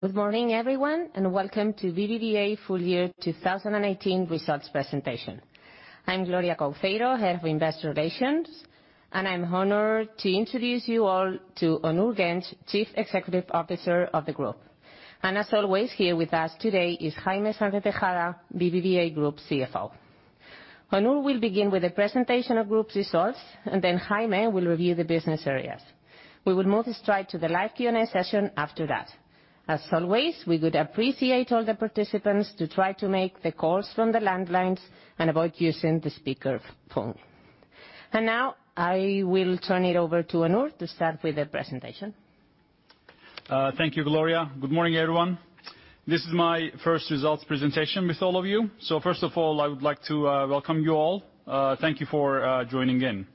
Good morning, everyone, and welcome to BBVA full year 2018 results presentation. I am Gloria Couceiro, Head of Investor Relations, and I am honored to introduce you all to Onur Genç, Chief Executive Officer of the Group. As always, here with us today is Jaime Sáenz de Tejada, BBVA Group CFO. Onur will begin with the presentation of group results, then Jaime will review the business areas. We will move straight to the live Q&A session after that. As always, we would appreciate all the participants to try to make the calls from the landlines and avoid using the speaker phone. Now I will turn it over to Onur to start with the presentation. Thank you, Gloria. Good morning, everyone. This is my first results presentation with all of you. First of all, I would like to welcome you all. Thank you for joining in.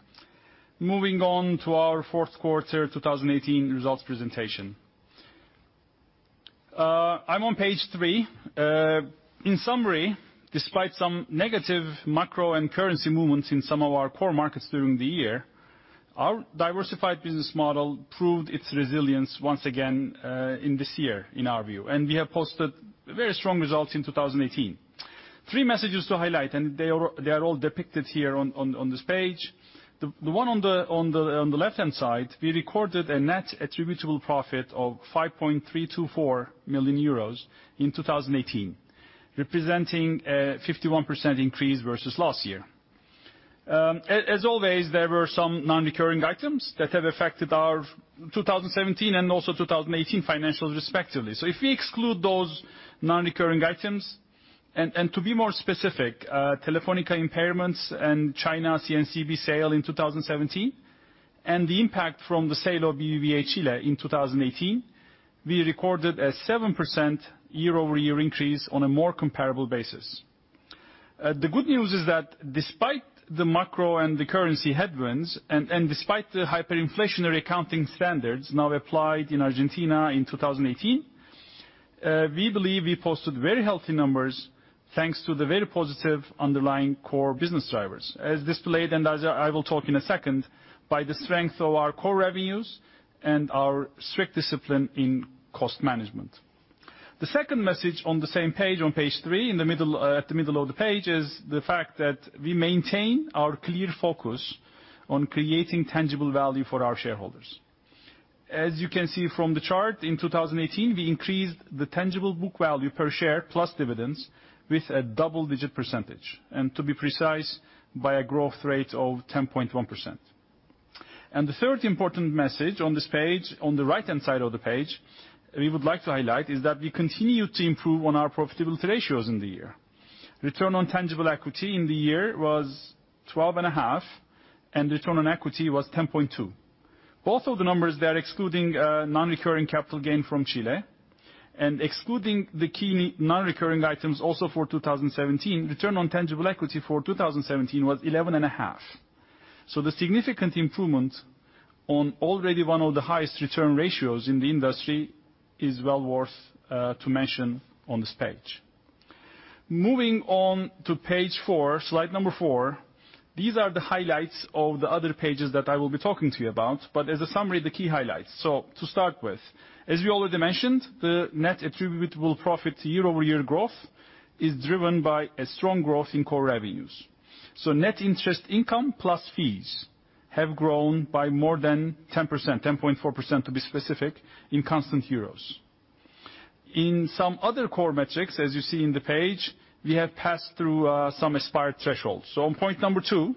Moving on to our fourth quarter 2018 results presentation. I am on page three. In summary, despite some negative macro and currency movements in some of our core markets during the year, our diversified business model proved its resilience once again in this year, in our view, we have posted very strong results in 2018. Three messages to highlight, they are all depicted here on this page. The one on the left-hand side, we recorded a net attributable profit of 5.324 million euros in 2018, representing a 51% increase versus last year. As always, there were some non-recurring items that have affected our 2017 and also 2018 financials respectively. If we exclude those non-recurring items, to be more specific, Telefónica impairments and China CNCB sale in 2017, the impact from the sale of BBVA Chile in 2018, we recorded a 7% year-over-year increase on a more comparable basis. The good news is that despite the macro and the currency headwinds, despite the hyperinflationary accounting standards now applied in Argentina in 2018, we believe we posted very healthy numbers thanks to the very positive underlying core business drivers. As displayed, as I will talk in a second, by the strength of our core revenues and our strict discipline in cost management. The second message on the same page, on page three at the middle of the page, is the fact that we maintain our clear focus on creating tangible value for our shareholders. As you can see from the chart, in 2018, we increased the tangible book value per share plus dividends with a double-digit percentage, to be precise, by a growth rate of 10.1%. The third important message on this page, on the right-hand side of the page, we would like to highlight is that we continue to improve on our profitability ratios in the year. Return on tangible equity in the year was 12.5%, and return on equity was 10.2%. Both of the numbers there excluding non-recurring capital gain from Chile, excluding the key non-recurring items also for 2017, return on tangible equity for 2017 was 11.5%. The significant improvement on already one of the highest return ratios in the industry is well worth to mention on this page. Moving on to page four, slide number four. These are the highlights of the other pages that I will be talking to you about, but as a summary, the key highlights. To start with, as we already mentioned, the net attributable profit year-over-year growth is driven by a strong growth in core revenues. Net interest income plus fees have grown by more than 10%, 10.4% to be specific, in constant euros. In some other core metrics, as you see on the page, we have passed through some aspired thresholds. On point number two,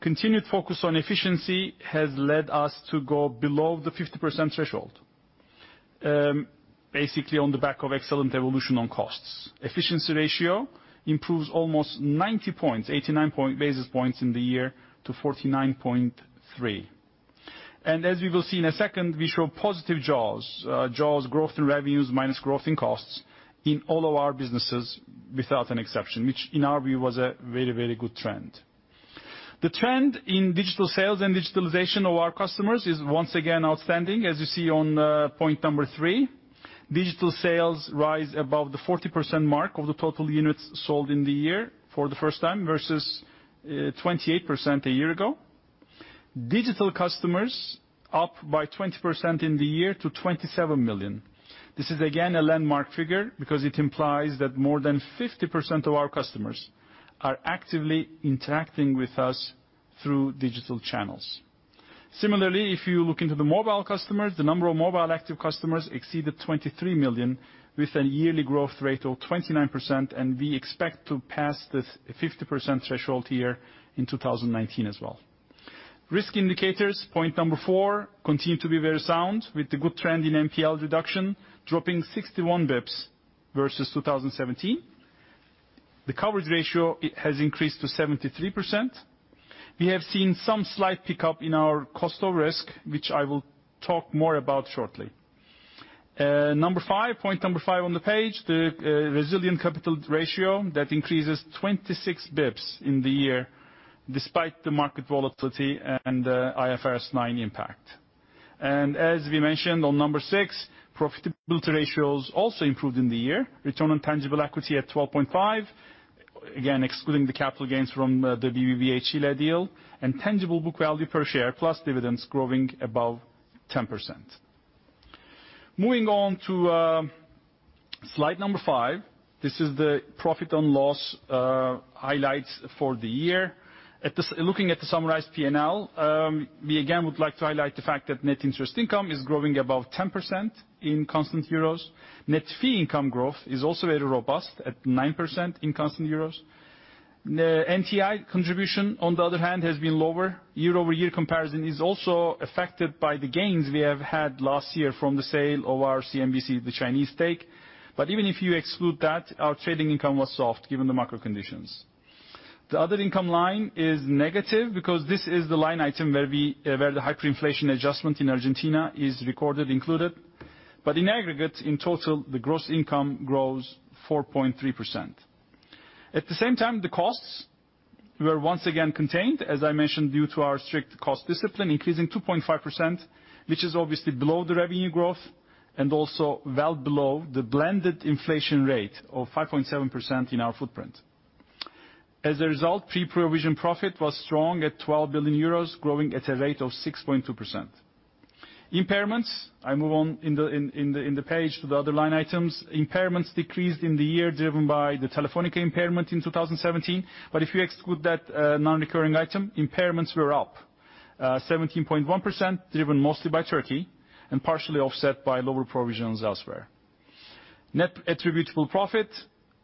continued focus on efficiency has led us to go below the 50% threshold. Basically on the back of excellent evolution on costs. Efficiency ratio improves almost 90 basis points, 89 basis points in the year to 49.3%. As we will see in a second, we show positive jaws. Jaws, growth in revenues minus growth in costs, in all of our businesses without an exception, which in our view, was a very good trend. The trend in digital sales and digitalization of our customers is once again outstanding, as you see on point number three. Digital sales rise above the 40% mark of the total units sold in the year for the first time versus 28% a year ago. Digital customers up by 20% in the year to 27 million. This is again a landmark figure because it implies that more than 50% of our customers are actively interacting with us through digital channels. Similarly, if you look into the mobile customers, the number of mobile active customers exceeded 23 million with a yearly growth rate of 29%, and we expect to pass the 50% threshold here in 2019 as well. Risk indicators, point number four, continue to be very sound with the good trend in NPL reduction, dropping 61 basis points versus 2017. The coverage ratio has increased to 73% we have seen some slight pickup in our cost of risk, which I will talk more about shortly. Number five, point number five on the page, the resilient capital ratio that increases 26 basis points in the year despite the market volatility and the IFRS 9 impact. As we mentioned on number six, profitability ratios also improved in the year. Return on tangible equity at 12.5%. Again, excluding the capital gains from the BBVA Chile deal, and tangible book value per share plus dividends growing above 10%. Moving on to slide number five. This is the profit and loss highlights for the year. Looking at the summarized P&L, we again would like to highlight the fact that net interest income is growing above 10% in constant EUR. Net fee income growth is also very robust at 9% in constant EUR. The NTI contribution, on the other hand, has been lower. Year-over-year comparison is also affected by the gains we have had last year from the sale of our CNCB, the Chinese stake. Even if you exclude that, our trading income was soft given the macro conditions. The other income line is negative because this is the line item where the hyperinflation adjustment in Argentina is recorded included. In aggregate, in total, the gross income grows 4.3%. At the same time, the costs were once again contained, as I mentioned, due to our strict cost discipline increasing 2.5%, which is obviously below the revenue growth and also well below the blended inflation rate of 5.7% in our footprint. As a result, pre-provision profit was strong at 12 billion euros, growing at a rate of 6.2%. Impairments, I move on in the page to the other line items. Impairments decreased in the year driven by the Telefónica impairment in 2017. If you exclude that non-recurring item, impairments were up 17.1%, driven mostly by Turkey and partially offset by lower provisions elsewhere. Net attributable profit,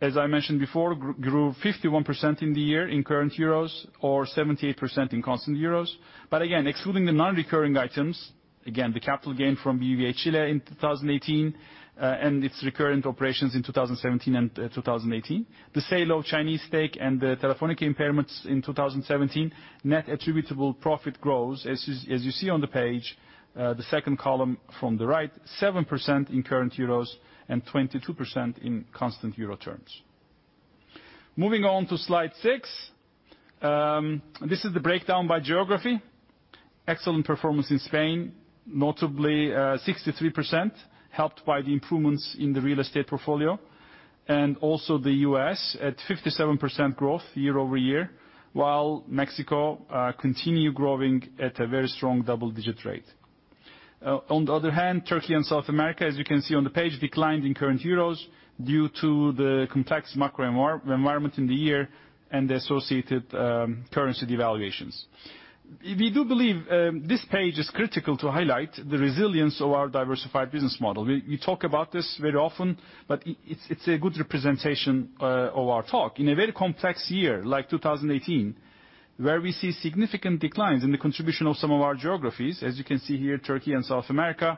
as I mentioned before, grew 51% in the year in current euros or 78% in constant euros. Again, excluding the non-recurring items, again, the capital gain from BBVA Chile in 2018 and its recurrent operations in 2017 and 2018. The sale of Chinese stake and the Telefónica impairments in 2017. Net attributable profit growth, as you see on the page, the second column from the right, 7% in current euros and 22% in constant euro terms. Moving on to slide six. This is the breakdown by geography. Excellent performance in Spain, notably 63%, helped by the improvements in the real estate portfolio, and also the U.S. at 57% growth year-over-year, while Mexico continue growing at a very strong double-digit rate. Turkey and South America, as you can see on the page, declined in current euros due to the complex macro environment in the year and the associated currency devaluations. We do believe this page is critical to highlight the resilience of our diversified business model. We talk about this very often, but it's a good representation of our talk. In a very complex year like 2018, where we see significant declines in the contribution of some of our geographies, as you can see here, Turkey and South America,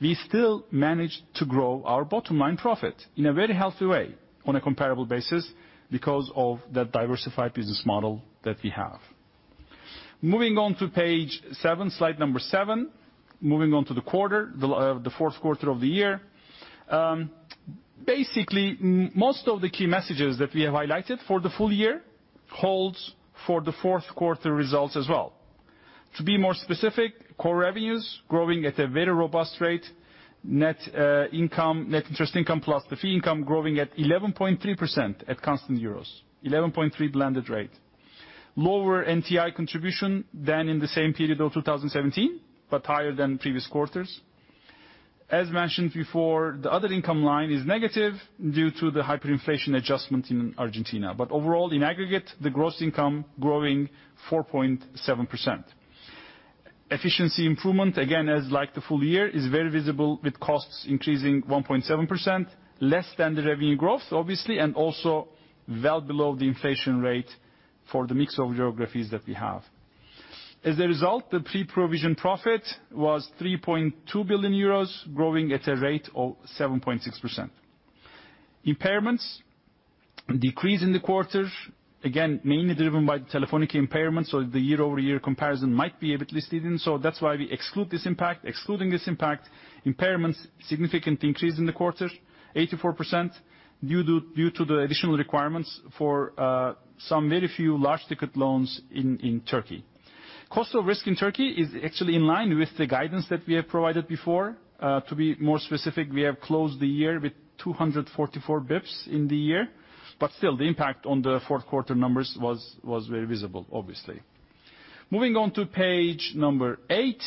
we still managed to grow our bottom line profit in a very healthy way on a comparable basis because of the diversified business model that we have. Moving on to page seven, slide number seven. Moving on to the quarter, the fourth quarter of the year. Most of the key messages that we have highlighted for the full year holds for the fourth quarter results as well. To be more specific, core revenues growing at a very robust rate. Net interest income plus the fee income growing at 11.3% at constant euros, 11.3 blended rate. Lower NTI contribution than in the same period of 2017, but higher than previous quarters. As mentioned before, the other income line is negative due to the hyperinflation adjustment in Argentina. Overall, in aggregate, the gross income growing 4.7%. Efficiency improvement, again, as like the full year, is very visible with costs increasing 1.7%, less than the revenue growth, obviously, and also well below the inflation rate for the mix of geographies that we have. As a result, the pre-provision profit was 3.2 billion euros, growing at a rate of 7.6%. Impairments decrease in the quarter, again, mainly driven by the Telefónica impairment, so the year-over-year comparison might be a bit misleading. That's why we exclude this impact. Excluding this impact, impairments significantly increased in the quarter, 84%, due to the additional requirements for some very few large ticket loans in Turkey. Cost of risk in Turkey is actually in line with the guidance that we have provided before. To be more specific, we have closed the year with 244 basis points in the year. Still, the impact on the fourth quarter numbers was very visible, obviously. Moving on to page number eight.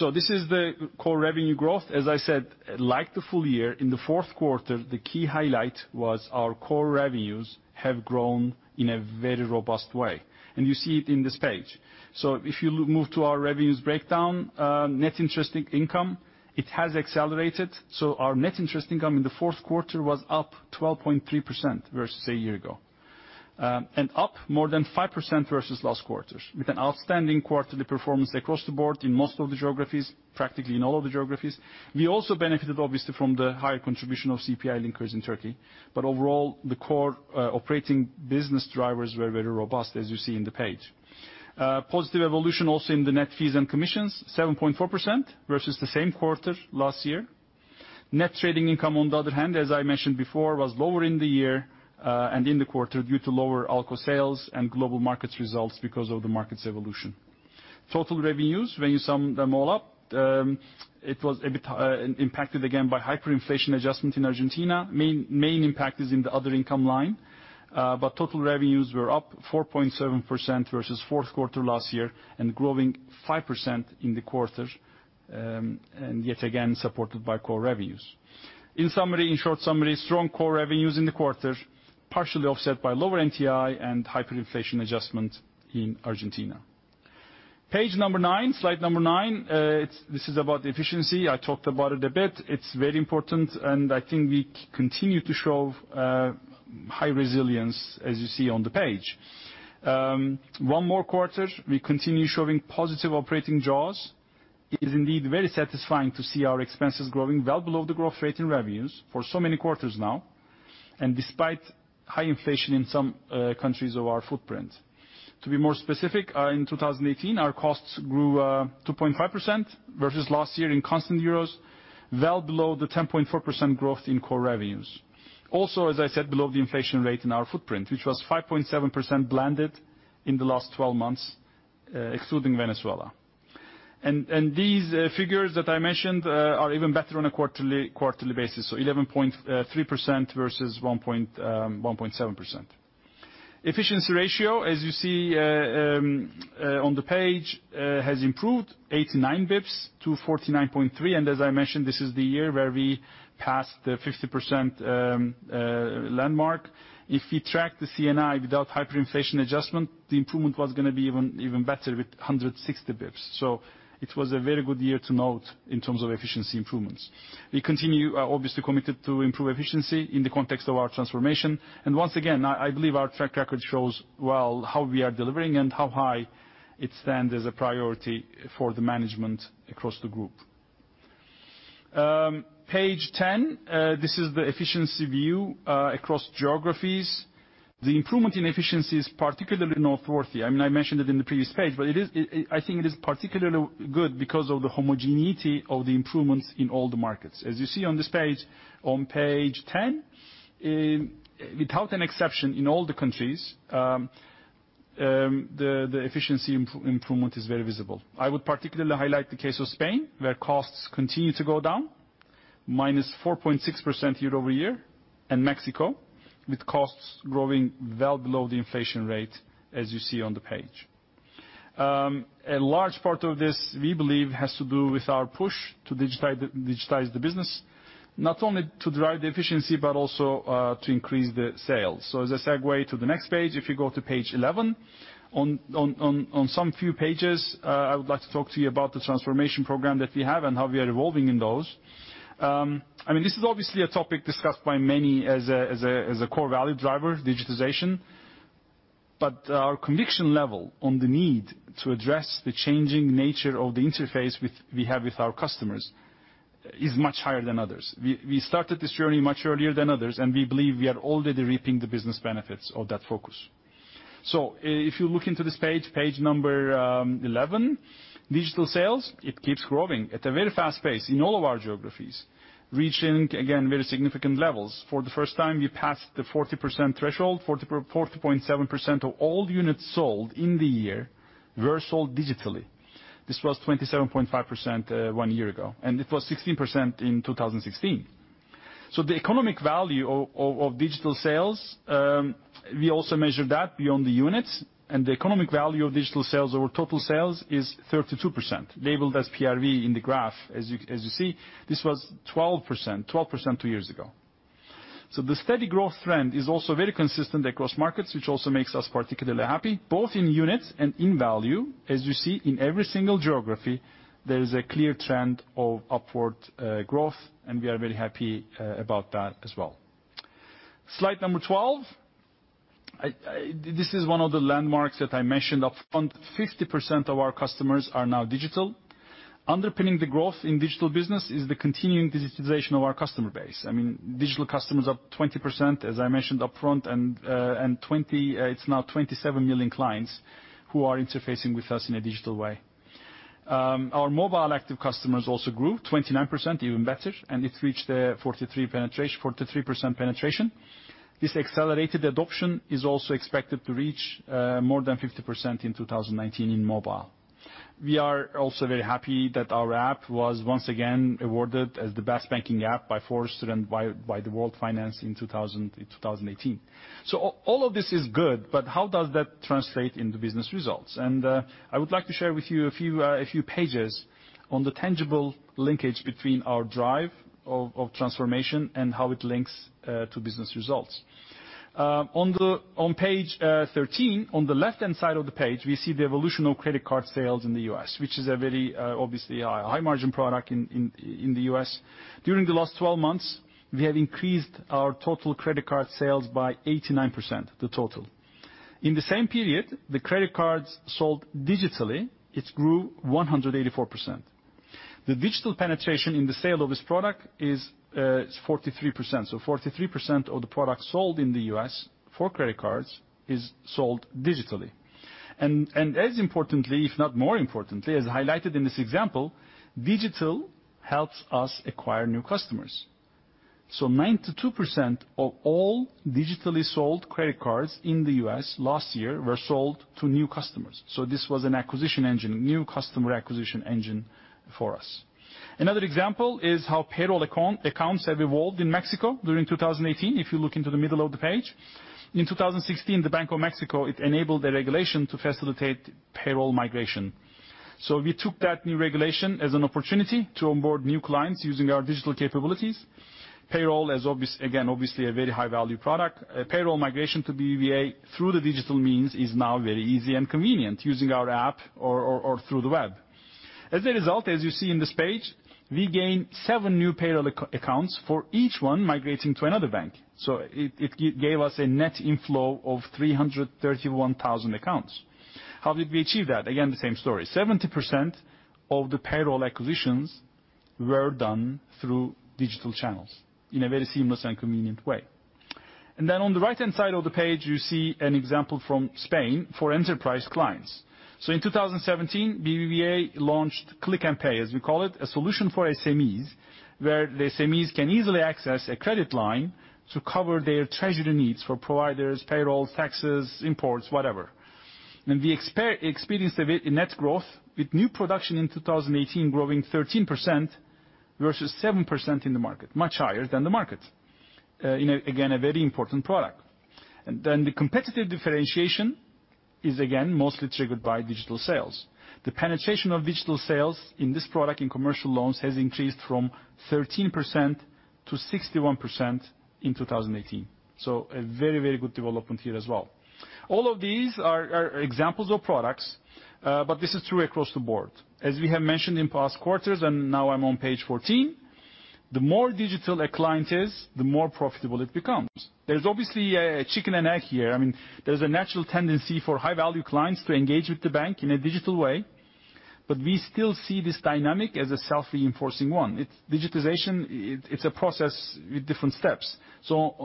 This is the core revenue growth. As I said, like the full year, in the fourth quarter, the key highlight was our core revenues have grown in a very robust way. You see it in this page. If you move to our revenues breakdown, Net Interest Income, it has accelerated. Our Net Interest Income in the fourth quarter was up 12.3% versus a year ago. Up more than 5% versus last quarter, with an outstanding quarterly performance across the board in most of the geographies, practically in all of the geographies. We also benefited obviously from the higher contribution of CPI linkers in Turkey. Overall, the core operating business drivers were very robust, as you see in the page. Positive evolution also in the net fees and commissions, 7.4% versus the same quarter last year. Net Trading Income on the other hand, as I mentioned before, was lower in the year and in the quarter due to lower ALCO sales and global markets results because of the market's evolution. Total revenues, when you sum them all up, it was a bit impacted again by hyperinflation adjustment in Argentina. Main impact is in the other income line, but total revenues were up 4.7% versus fourth quarter last year and growing 5% in the quarter. Yet again, supported by core revenues. In short summary, strong core revenues in the quarter, partially offset by lower NTI and hyperinflation adjustment in Argentina. Page number nine, slide number nine, this is about efficiency. I talked about it a bit. It's very important. I think we continue to show high resilience, as you see on the page. One more quarter, we continue showing positive operating jaws. It is indeed very satisfying to see our expenses growing well below the growth rate in revenues for so many quarters now. Despite high inflation in some countries of our footprint. To be more specific, in 2018, our costs grew 2.5% versus last year in constant euros, well below the 10.4% growth in core revenues. Also, as I said, below the inflation rate in our footprint, which was 5.7% blended in the last 12 months, excluding Venezuela. These figures that I mentioned are even better on a quarterly basis, 11.3% versus 1.7%. Efficiency ratio, as you see on the page, has improved 89 basis points to 49.3%. As I mentioned, this is the year where we passed the 50% landmark. If we track the C/I without hyperinflation adjustment, the improvement was going to be even better with 160 basis points. It was a very good year to note in terms of efficiency improvements. We continue are obviously committed to improve efficiency in the context of our transformation. Once again, I believe our track record shows well how we are delivering and how high it stands as a priority for the management across the group. Page 10, this is the efficiency view, across geographies. The improvement in efficiency is particularly noteworthy. I mentioned it in the previous page. I think it is particularly good because of the homogeneity of the improvements in all the markets. As you see on this page, on page 10, without an exception, in all the countries, the efficiency improvement is very visible. I would particularly highlight the case of Spain, where costs continue to go down, -4.6% year-over-year, and Mexico, with costs growing well below the inflation rate, as you see on the page. A large part of this, we believe, has to do with our push to digitize the business, not only to drive the efficiency, but also to increase the sales. As a segue to the next page, if you go to page 11, on some few pages, I would like to talk to you about the transformation program that we have and how we are evolving in those. This is obviously a topic discussed by many as a core value driver, digitization. Our conviction level on the need to address the changing nature of the interface we have with our customers is much higher than others. We started this journey much earlier than others, and we believe we are already reaping the business benefits of that focus. If you look into this page 11, digital sales, it keeps growing at a very fast pace in all of our geographies, reaching, again, very significant levels. For the first time, we passed the 40% threshold, 40.7% of all units sold in the year were sold digitally. This was 27.5% one year ago, and it was 16% in 2016. The economic value of digital sales, we also measured that beyond the units, and the economic value of digital sales over total sales is 32%, labeled as PRV in the graph, as you see. This was 12% two years ago. The steady growth trend is also very consistent across markets, which also makes us particularly happy, both in units and in value. As you see in every single geography, there is a clear trend of upward growth, and we are very happy about that as well. Slide number 12. This is one of the landmarks that I mentioned upfront. 50% of our customers are now digital. Underpinning the growth in digital business is the continuing digitalization of our customer base. Digital customers up 20%, as I mentioned upfront, and it's now 27 million clients who are interfacing with us in a digital way. Our mobile active customers also grew 29%, even better, and it reached the 43% penetration. This accelerated adoption is also expected to reach more than 50% in 2019 in mobile. We are also very happy that our app was once again awarded as the best banking app by Forrester and by the World Finance in 2018. All of this is good, but how does that translate into business results? I would like to share with you a few pages on the tangible linkage between our drive of transformation and how it links to business results. On page 13, on the left-hand side of the page, we see the evolution of credit card sales in the U.S., which is a very obviously high margin product in the U.S. During the last 12 months, we have increased our total credit card sales by 89%, the total. In the same period the credit cards sold digitally, it grew 184%. The digital penetration in the sale of this product is 43%. 43% of the product sold in the U.S. for credit cards is sold digitally. As importantly, if not more importantly, as highlighted in this example, digital helps us acquire new customers. So 92% of all digitally sold credit cards in the U.S. last year were sold to new customers. This was an acquisition engine, new customer acquisition engine for us. Another example is how payroll accounts have evolved in Mexico during 2018, if you look into the middle of the page. In 2016, the Bank of Mexico enabled a regulation to facilitate payroll migration. We took that new regulation as an opportunity to onboard new clients using our digital capabilities. Payroll, again, obviously a very high-value product. Payroll migration to BBVA through the digital means is now very easy and convenient using our app or through the web. As a result, as you see on this page, we gained seven new payroll accounts for each one migrating to another bank. It gave us a net inflow of 331,000 accounts. How did we achieve that? Again, the same story. 70% of the payroll acquisitions were done through digital channels in a very seamless and convenient way. On the right-hand side of the page, you see an example from Spain for enterprise clients. In 2017, BBVA launched Click&Pay, as we call it, a solution for SMEs, where the SMEs can easily access a credit line to cover their treasury needs for providers, payroll, taxes, imports, whatever. We experienced a net growth with new production in 2018 growing 13% versus 7% in the market, much higher than the market. Again, a very important product. The competitive differentiation is again mostly triggered by digital sales. The penetration of digital sales in this product in commercial loans has increased from 13% to 61% in 2018. A very good development here as well. All of these are examples of products, but this is true across the board. As we have mentioned in past quarters, and now I'm on page 14, the more digital a client is, the more profitable it becomes. There's obviously a chicken and egg here. There's a natural tendency for high-value clients to engage with the bank in a digital way, but we still see this dynamic as a self-reinforcing one. Digitization, it's a process with different steps.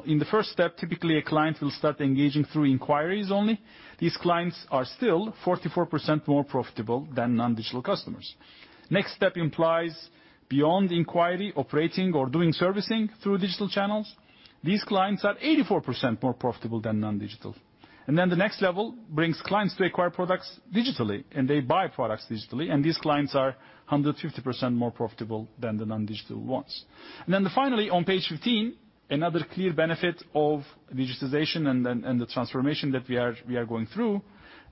In the first step, typically a client will start engaging through inquiries only. These clients are still 44% more profitable than non-digital customers. Next step implies beyond inquiry, operating or doing servicing through digital channels. These clients are 84% more profitable than non-digital. The next level brings clients to acquire products digitally, and they buy products digitally, and these clients are 150% more profitable than the non-digital ones. Finally, on page 15, another clear benefit of digitization and the transformation that we are going through,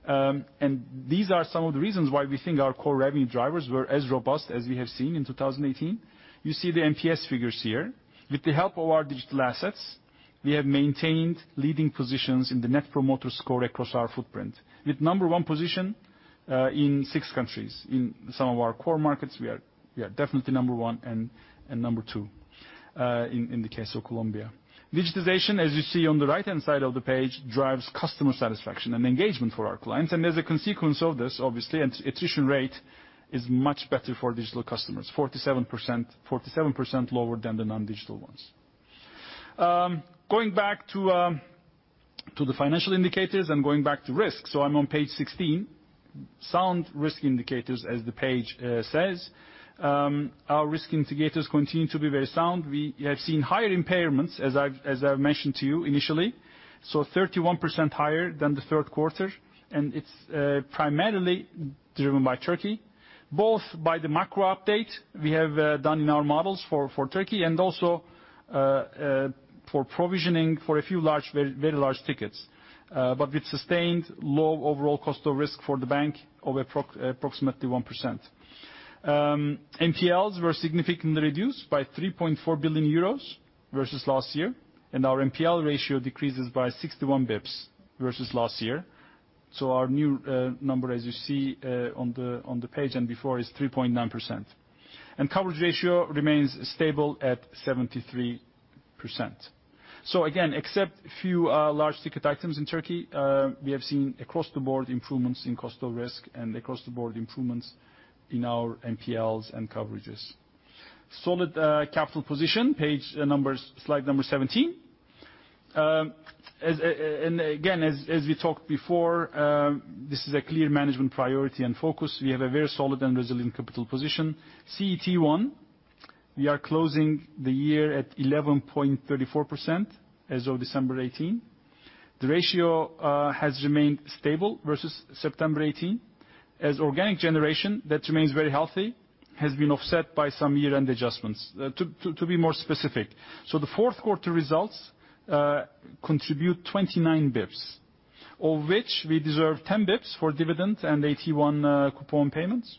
and these are some of the reasons why we think our core revenue drivers were as robust as we have seen in 2018. You see the NPS figures here. With the help of our digital assets, we have maintained leading positions in the net promoter score across our footprint. With number one position in six countries. In some of our core markets, we are definitely number one and number two in the case of Colombia. Digitization, as you see on the right-hand side of the page, drives customer satisfaction and engagement for our clients. As a consequence of this, obviously, attrition rate is much better for digital customers, 47% lower than the non-digital ones. Going back to the financial indicators and going back to risk. I'm on page 16. Sound risk indicators, as the page says our risk indicators continue to be very sound. We have seen higher impairments, as I've mentioned to you initially, 31% higher than the third quarter, and it's primarily driven by Turkey, both by the macro update we have done in our models for Turkey and also for provisioning for a few very large tickets, but with sustained low overall cost of risk for the bank of approximately 1%. NPLs were significantly reduced by 3.4 billion euros versus last year, our NPL ratio decreases by 61 basis points versus last year. Our new number, as you see on the page and before, is 3.9%. Coverage ratio remains stable at 73%. Again, except few large ticket items in Turkey, we have seen across-the-board improvements in cost of risk and across-the-board improvements in our NPLs and coverages. Solid capital position, slide 17. Again, as we talked before, this is a clear management priority and focus. We have a very solid and resilient capital position. CET1, we are closing the year at 11.34% as of December 2018. The ratio has remained stable versus September 2018. Organic generation, that remains very healthy, has been offset by some year-end adjustments. To be more specific, the fourth quarter results contribute 29 basis points, of which we deserve 10 basis points for dividend and 18 coupon payments.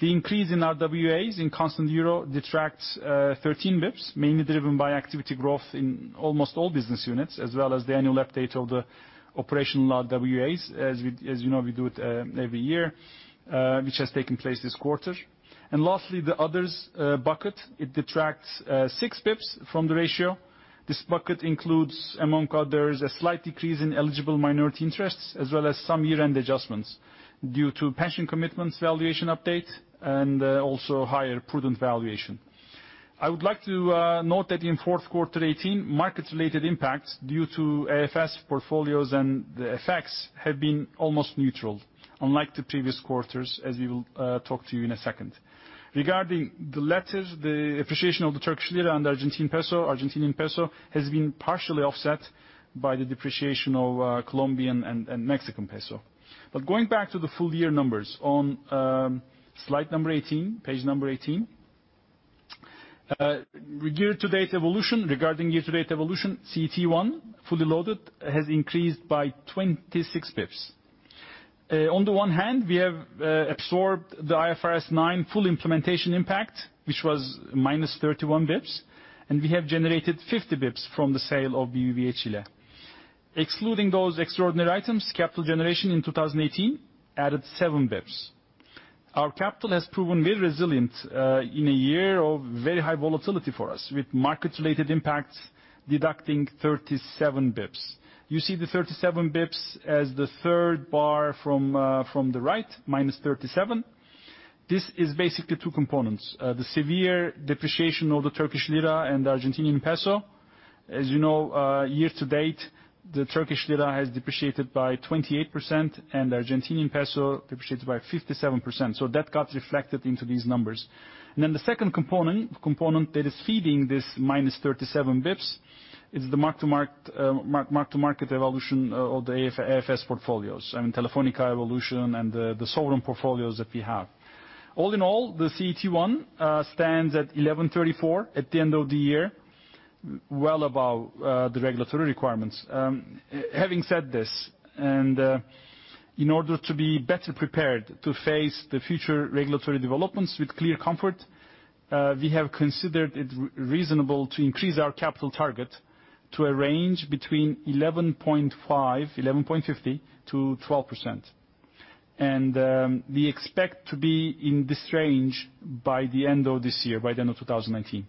The increase in our WA in constant euro detracts 13 basis points, mainly driven by activity growth in almost all business units, as well as the annual update of the operational RWAs. As you know, we do it every year, which has taken place this quarter. Lastly, the others bucket, it detracts 6 basis points from the ratio. This bucket includes, among others, a slight decrease in eligible minority interests, as well as some year-end adjustments due to pension commitments valuation update and also higher prudent valuation. I would like to note that in fourth quarter 2018, markets-related impacts due to AFS portfolios and the effects have been almost neutral, unlike the previous quarters, as we will talk to you in a second. Regarding the latter, the appreciation of the Turkish lira and Argentine peso has been partially offset by the depreciation of Colombian and Mexican peso. Going back to the full year numbers on slide 18, page 18. Regarding year-to-date evolution, CET1 fully loaded has increased by 26 basis points. On the one hand, we have absorbed the IFRS 9 full implementation impact, which was minus 31 basis points, we have generated 50 basis points from the sale of BBVA Chile. Excluding those extraordinary items, capital generation in 2018 added 7 basis points. Our capital has proven very resilient in a year of very high volatility for us, with market-related impacts deducting 37 basis points. You see the 37 basis points as the third bar from the right, -37. This is basically two components. The severe depreciation of the Turkish lira and Argentinian peso. As you know, year to date, the Turkish lira has depreciated by 28% and the Argentinian peso depreciated by 57%. That got reflected into these numbers. The second component that is feeding this minus 37 basis points is the mark to market evolution of the AFS portfolios, and Telefónica evolution, and the sovereign portfolios that we have. All in all, the CET1 stands at 11.34% at the end of the year, well above the regulatory requirements. Having said this, in order to be better prepared to face the future regulatory developments with clear comfort, we have considered it reasonable to increase our capital target to a range between 11.50%-12%. We expect to be in this range by the end of this year, by the end of 2019.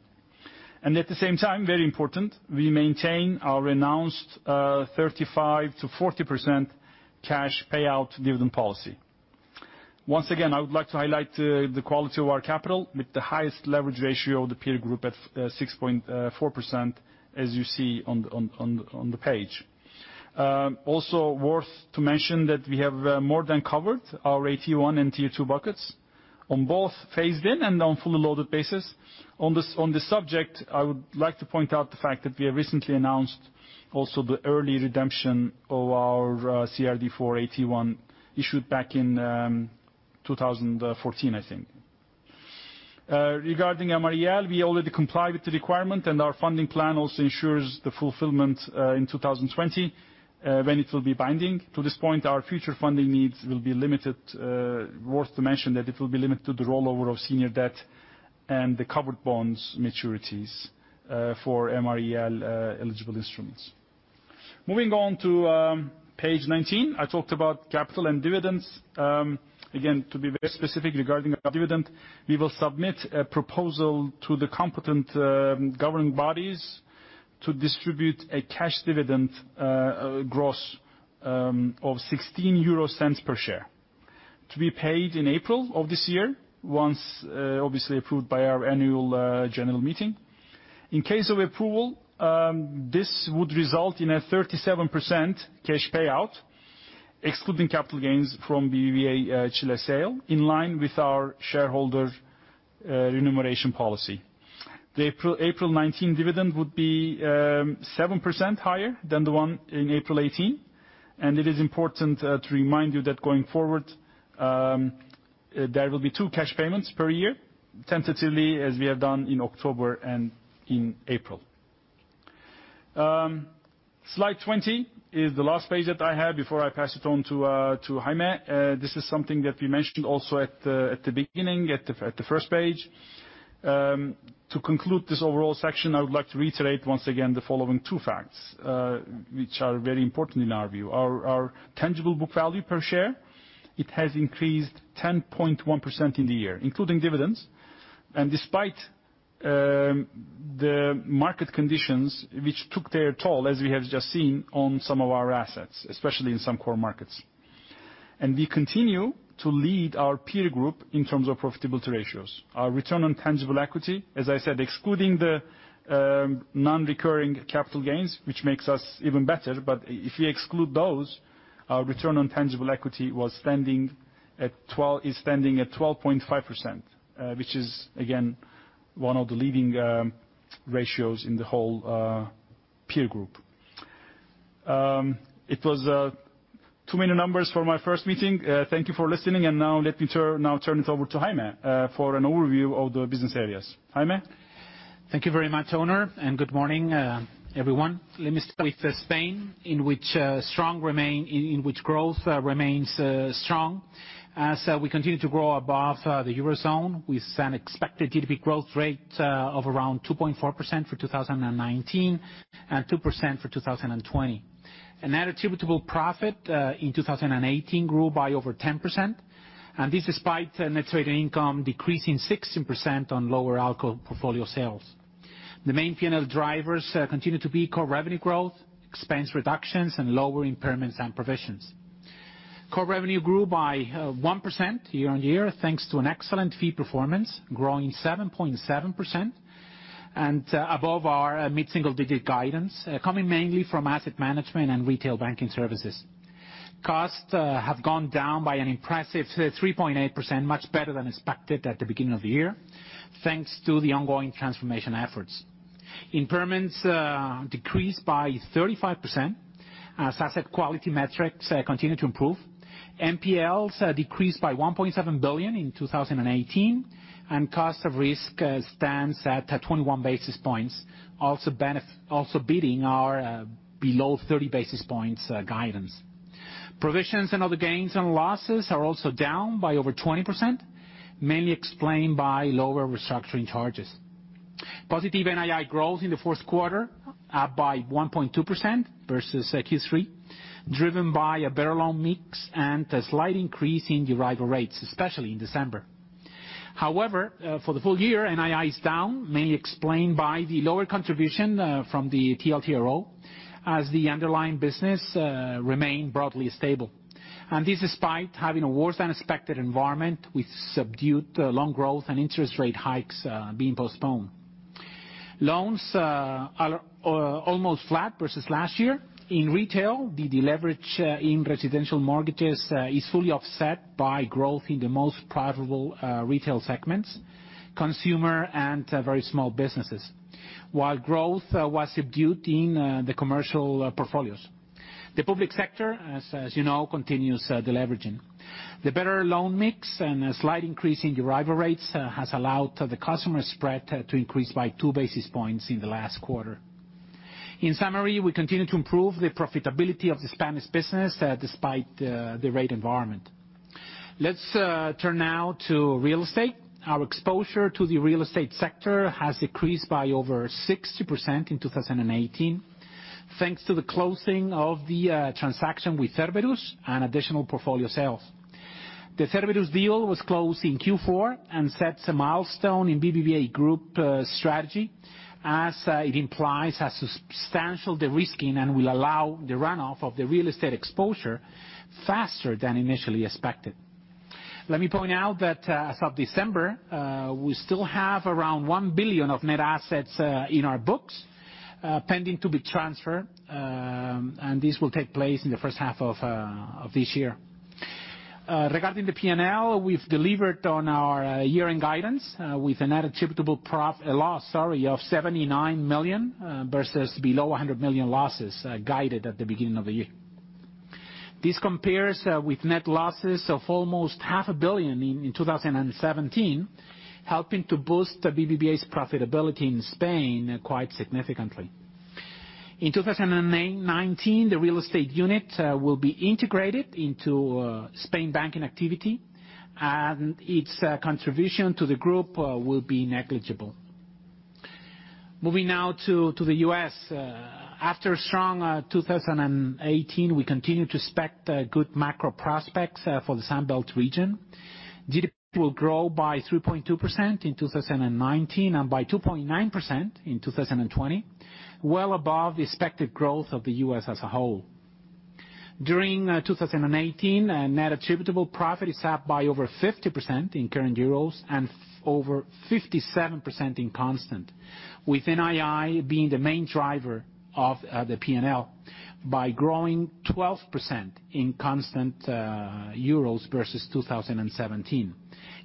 At the same time, very important, we maintain our announced 35%-40% cash payout dividend policy. Once again, I would like to highlight the quality of our capital with the highest leverage ratio of the peer group at 6.4%, as you see on the page. Also worth to mention that we have more than covered our AT1 and T2 buckets on both phased in and on fully loaded basis. On the subject, I would like to point out the fact that we have recently announced also the early redemption of our CRD4 AT1 issued back in 2014, I think. Regarding MREL, we already comply with the requirement, our funding plan also ensures the fulfillment in 2020, when it will be binding. To this point, our future funding needs will be limited. Worth to mention that it will be limited to the rollover of senior debt and the covered bonds maturities for MREL-eligible instruments. Moving on to page 19. I talked about capital and dividends. Again, to be very specific regarding our dividend, we will submit a proposal to the competent governing bodies to distribute a cash dividend gross of 0.60 per share, to be paid in April of this year, once obviously approved by our annual general meeting. In case of approval, this would result in a 37% cash payout, excluding capital gains from BBVA Chile sale, in line with our shareholder remuneration policy. The April 2019 dividend would be 7% higher than the one in April 2018, it is important to remind you that going forward, there will be two cash payments per year, tentatively as we have done in October and in April. Slide 20 is the last page that I have before I pass it on to Jaime. This is something that we mentioned also at the beginning, at the first page. To conclude this overall section, I would like to reiterate once again the following two facts, which are very important in our view. Our tangible book value per share, it has increased 10.1% in the year, including dividends, despite the market conditions, which took their toll, as we have just seen on some of our assets, especially in some core markets. We continue to lead our peer group in terms of profitability ratios. Our return on tangible equity, as I said, excluding the non-recurring capital gains, which makes us even better, if you exclude those, our return on tangible equity is standing at 12.5%, which is, again, one of the leading ratios in the whole peer group. It was too many numbers for my first meeting. Thank you for listening. Now let me now turn it over to Jaime for an overview of the business areas. Jaime? Thank you very much, Onur, and good morning everyone. Let me start with Spain, in which growth remains strong. As we continue to grow above the eurozone, with an expected GDP growth rate of around 2.4% for 2019 and 2% for 2020. Net attributable profit in 2018 grew by over 10%, this despite net trading income decreasing 16% on lower ALCO portfolio sales. The main P&L drivers continue to be core revenue growth, expense reductions, and lower impairments and provisions. Core revenue grew by 1% year on year, thanks to an excellent fee performance, growing 7.7%. And above our mid-single-digit guidance, coming mainly from asset management and retail banking services. Costs have gone down by an impressive 3.8%, much better than expected at the beginning of the year, thanks to the ongoing transformation efforts. Impairments decreased by 35% as asset quality metrics continue to improve. NPLs decreased by 1.7 billion in 2018, and cost of risk stands at 21 basis points, also beating our below 30 basis points guidance. Provisions and other gains and losses are also down by over 20%, mainly explained by lower restructuring charges. Positive NII growth in the fourth quarter up by 1.2% versus Q3, driven by a better loan mix and a slight increase in arrival rates, especially in December. However, for the full year, NII is down, mainly explained by the lower contribution from the TLTRO, as the underlying business remained broadly stable. This despite having a worse-than-expected environment with subdued loan growth and interest rate hikes being postponed. Loans are almost flat versus last year. In retail, the deleverage in residential mortgages is fully offset by growth in the most profitable retail segments, consumer and very small businesses. While growth was subdued in the commercial portfolios. The public sector, as you know, continues deleveraging. The better loan mix and a slight increase in arrival rates has allowed the customer spread to increase by two basis points in the last quarter. In summary, we continue to improve the profitability of the Spanish business despite the rate environment. Let's turn now to real estate. Our exposure to the real estate sector has decreased by over 60% in 2018, thanks to the closing of the transaction with Cerberus and additional portfolio sales. The Cerberus deal was closed in Q4 and sets a milestone in BBVA group strategy, as it implies a substantial de-risking and will allow the runoff of the real estate exposure faster than initially expected. Let me point out that as of December, we still have around 1 billion of net assets in our books pending to be transferred, and this will take place in the first half of this year. Regarding the P&L, we've delivered on our year-end guidance with a net attributable loss, sorry, of 79 million versus below 100 million losses guided at the beginning of the year. This compares with net losses of almost half a billion in 2017, helping to boost BBVA's profitability in Spain quite significantly. In 2019, the real estate unit will be integrated into Spain banking activity, and its contribution to the group will be negligible. Moving now to the U.S. After a strong 2018, we continue to expect good macro prospects for the Sun Belt region. GDP will grow by 3.2% in 2019 and by 2.9% in 2020, well above the expected growth of the U.S. as a whole. During 2019, net attributable profit is up by over 50% in current euros and over 57% in constant, with NII being the main driver of the P&L by growing 12% in constant euros versus 2017.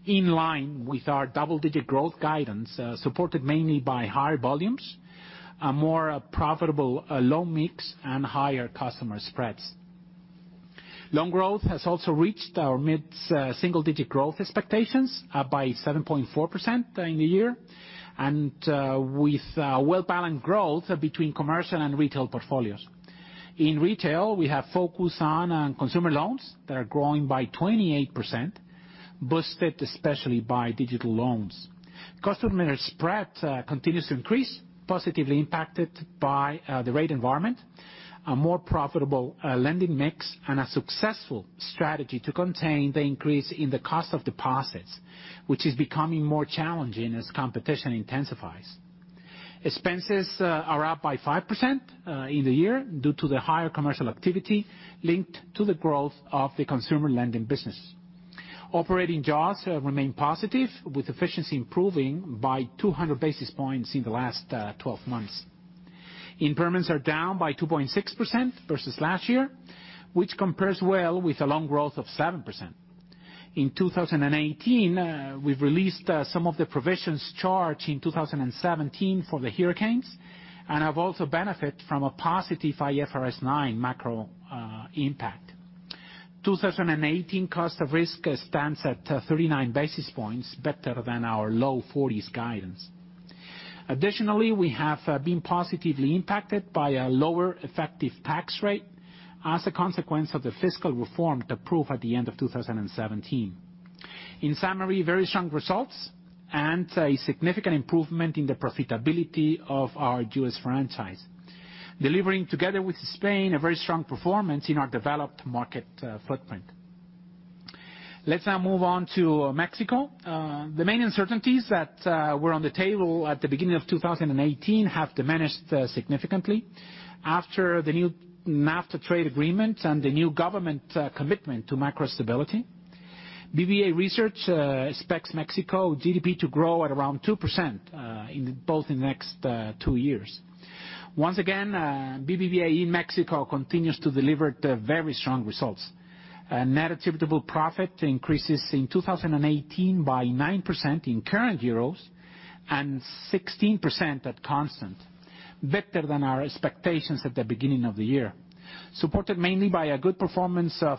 In line with our double-digit growth guidance, supported mainly by higher volumes, a more profitable loan mix, and higher customer spreads. Loan growth has also reached our mid-single-digit growth expectations by 7.4% in the year, and with well-balanced growth between commercial and retail portfolios. In retail, we have focused on consumer loans that are growing by 28%, boosted especially by digital loans. Customer spread continues to increase, positively impacted by the rate environment, a more profitable lending mix, and a successful strategy to contain the increase in the cost of deposits, which is becoming more challenging as competition intensifies. Expenses are up by 5% in the year due to the higher commercial activity linked to the growth of the consumer lending business. Operating jaws remain positive, with efficiency improving by 200 basis points in the last 12 months. Impairments are down by 2.6% versus last year, which compares well with a loan growth of 7%. In 2018, we've released some of the provisions charged in 2017 for the hurricanes, and have also benefit from a positive IFRS 9 macro impact. 2018 cost of risk stands at 39 basis points, better than our low 40s guidance. Additionally, we have been positively impacted by a lower effective tax rate as a consequence of the fiscal reform approved at the end of 2017. In summary, very strong results and a significant improvement in the profitability of our U.S. franchise. Delivering together with Spain, a very strong performance in our developed market footprint. Let's now move on to Mexico. The main uncertainties that were on the table at the beginning of 2018 have diminished significantly after the new NAFTA trade agreement and the new government commitment to macro stability. BBVA Research expects Mexico GDP to grow at around 2% both in the next two years. Once again, BBVA in Mexico continues to deliver very strong results. Net attributable profit increases in 2018 by 9% in current euros and 16% at constant, better than our expectations at the beginning of the year, supported mainly by a good performance of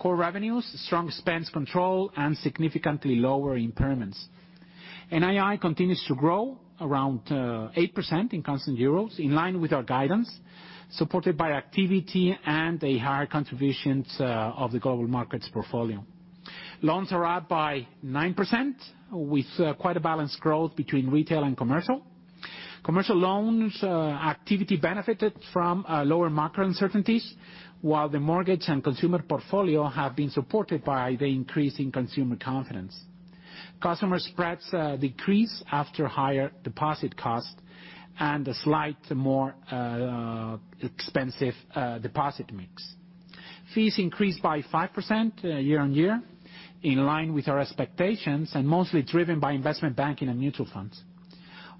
core revenues, strong expense control, and significantly lower impairments. NII continues to grow around 8% in constant EUR, in line with our guidance, supported by activity and higher contributions of the global markets portfolio. Loans are up by 9%, with quite a balanced growth between retail and commercial. Commercial loans activity benefited from lower macro uncertainties, while the mortgage and consumer portfolio have been supported by the increase in consumer confidence. Customer spreads decrease after higher deposit costs and a slight more expensive deposit mix. Fees increased by 5% year-on-year, in line with our expectations, and mostly driven by investment banking and mutual funds.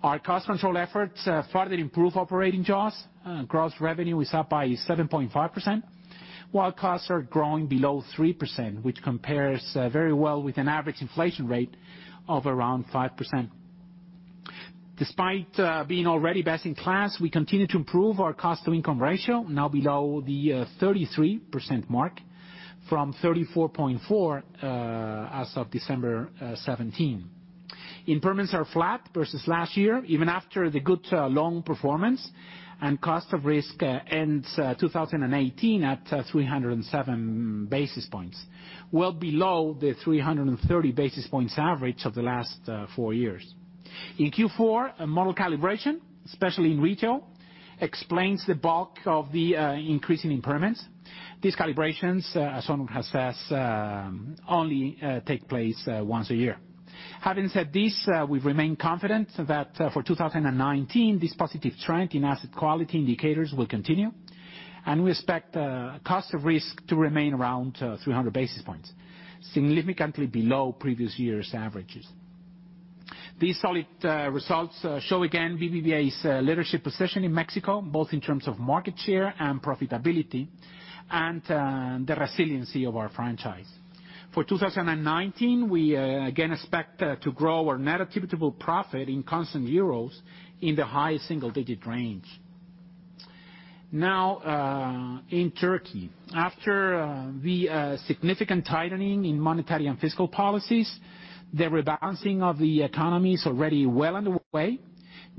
Our cost control efforts further improve operating costs. Gross revenue is up by 7.5%, while costs are growing below 3%, which compares very well with an average inflation rate of around 5%. Despite being already best in class, we continue to improve our cost-to-income ratio, now below the 33% mark from 34.4% as of December 2017. Impairments are flat versus last year, even after the good loan performance, and cost of risk ends 2018 at 307 basis points, well below the 330 basis points average of the last four years. In Q4, a model calibration, especially in retail, explains the bulk of the increase in impairments. These calibrations, as someone has said, only take place once a year. Having said this, we remain confident that for 2019, this positive trend in asset quality indicators will continue, and we expect cost of risk to remain around 300 basis points, significantly below previous years' averages. These solid results show again BBVA's leadership position in Mexico, both in terms of market share and profitability, and the resiliency of our franchise. For 2019, we again expect to grow our net attributable profit in constant euros in the high single-digit range. Now, in Turkey. After the significant tightening in monetary and fiscal policies, the rebalancing of the economy is already well underway.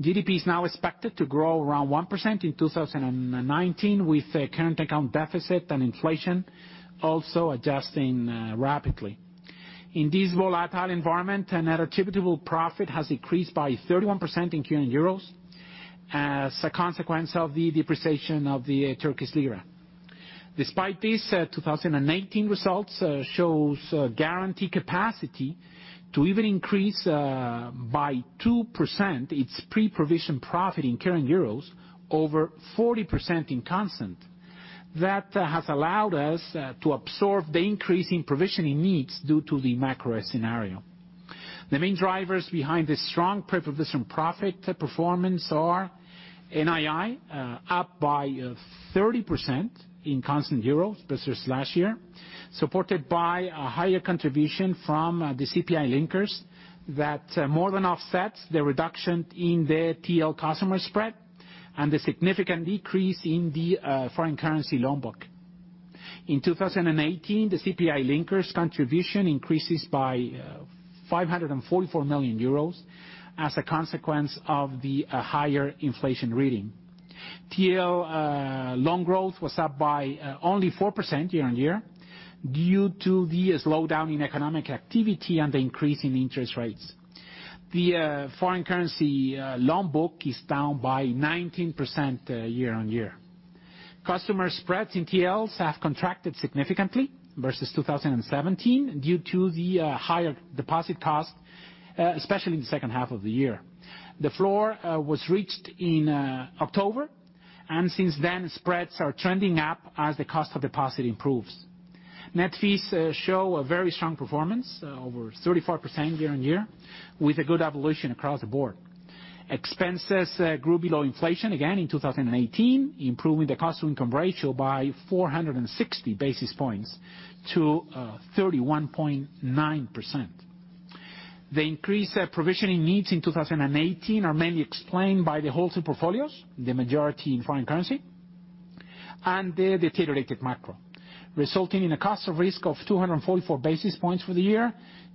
GDP is now expected to grow around 1% in 2019, with the current account deficit and inflation also adjusting rapidly. In this volatile environment, net attributable profit has increased by 31% in current EUR as a consequence of the depreciation of the [TRY]. 2019 results shows Garanti capacity to even increase by 2% its pre-provision profit in current euros over 40% in constant. That has allowed us to absorb the increase in provisioning needs due to the macro scenario. The main drivers behind this strong pre-provision profit performance are NII, up by 30% in constant euro versus last year, supported by a higher contribution from the CPI linkers that more than offsets the reduction in the TL customer spread and the significant decrease in the foreign currency loan book. In 2018, the CPI linkers contribution increases by 544 million euros as a consequence of the higher inflation reading. TL loan growth was up by only 4% year-on-year due to the slowdown in economic activity and the increase in interest rates. The foreign currency loan book is down by 19% year-on-year. Customer spreads in TL have contracted significantly versus 2017 due to the higher deposit cost, especially in the second half of the year. The floor was reached in October, since then, spreads are trending up as the cost of deposit improves. Net fees show a very strong performance, over 35% year-on-year, with a good evolution across the board. Expenses grew below inflation again in 2018, improving the cost-to-income ratio by 460 basis points to 31.9%. The increased provisioning needs in 2018 are mainly explained by the wholesale portfolios, the majority in foreign currency, and the deteriorated macro, resulting in a cost of risk of 244 basis points for the year,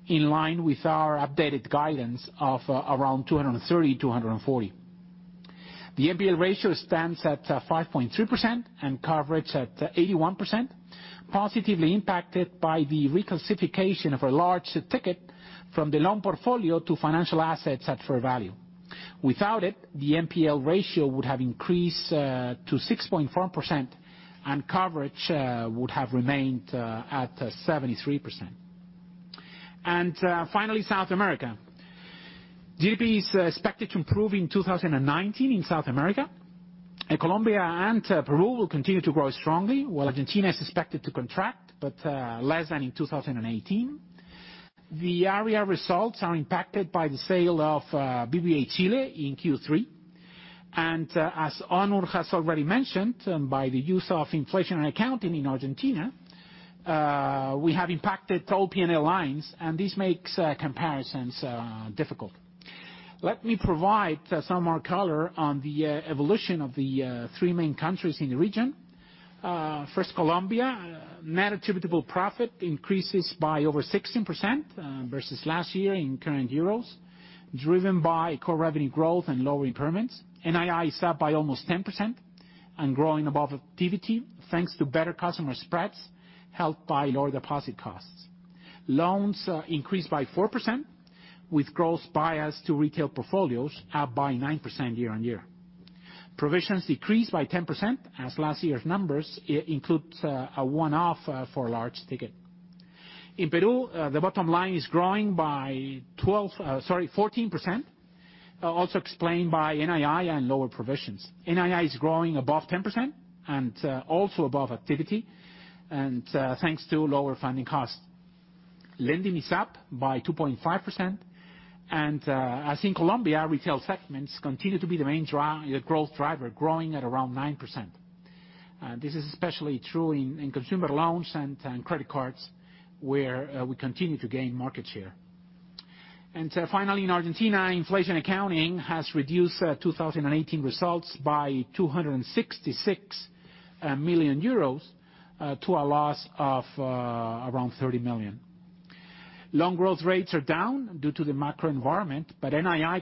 in line with our updated guidance of around 230 basis points to 240 basis points. The NPL ratio stands at 5.3% and coverage at 81%, positively impacted by the reclassification of a large ticket from the loan portfolio to financial assets at fair value. Without it, the NPL ratio would have increased to 6.4%, and coverage would have remained at 73%. Finally, South America. GDP is expected to improve in 2019 in South America. Colombia and Peru will continue to grow strongly, while Argentina is expected to contract, but less than in 2018. The area results are impacted by the sale of BBVA Chile in Q3. As Onur has already mentioned, by the use of inflation accounting in Argentina, we have impacted all P&L lines. This makes comparisons difficult. Let me provide some more color on the evolution of the three main countries in the region. First, Colombia. Net attributable profit increases by over 16% versus last year in current euros, driven by core revenue growth and lower impairments. NII is up by almost 10% and growing above activity, thanks to better customer spreads, helped by lower deposit costs. Loans increased by 4%, with gross bias to retail portfolios, up by 9% year-on-year. Provisions decreased by 10%, as last year's numbers includes a one-off for a large ticket. In Peru, the bottom line is growing by 14%, also explained by NII and lower provisions. NII is growing above 10% and also above activity and thanks to lower funding costs. Lending is up by 2.5%. As in Colombia, retail segments continue to be the main growth driver, growing at around 9%. This is especially true in consumer loans and credit cards, where we continue to gain market share. Finally, in Argentina, inflation accounting has reduced 2018 results by 266 million euros to a loss of around 30 million. NII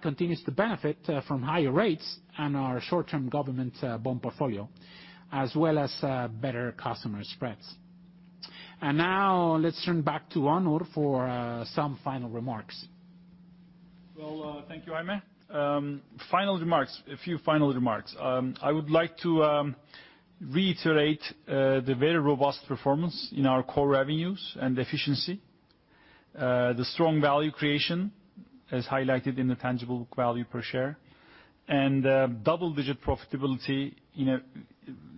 continues to benefit from higher rates and our short-term government bond portfolio, as well as better customer spreads. Now let's turn back to Onur for some final remarks. Well, thank you, Jaime. A few final remarks. I would like to reiterate the very robust performance in our core revenues and efficiency, the strong value creation, as highlighted in the tangible value per share, and double-digit profitability in a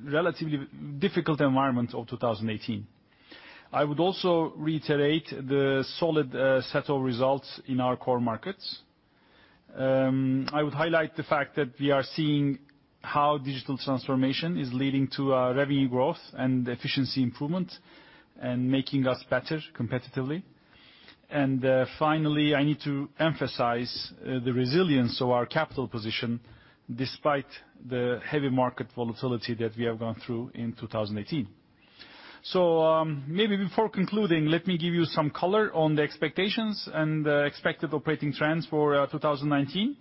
relatively difficult environment of 2018. I would also reiterate the solid set of results in our core markets. I would highlight the fact that we are seeing how digital transformation is leading to revenue growth and efficiency improvement and making us better competitively. Finally, I need to emphasize the resilience of our capital position, despite the heavy market volatility that we have gone through in 2018. Maybe before concluding, let me give you some color on the expectations and the expected operating trends for 2019.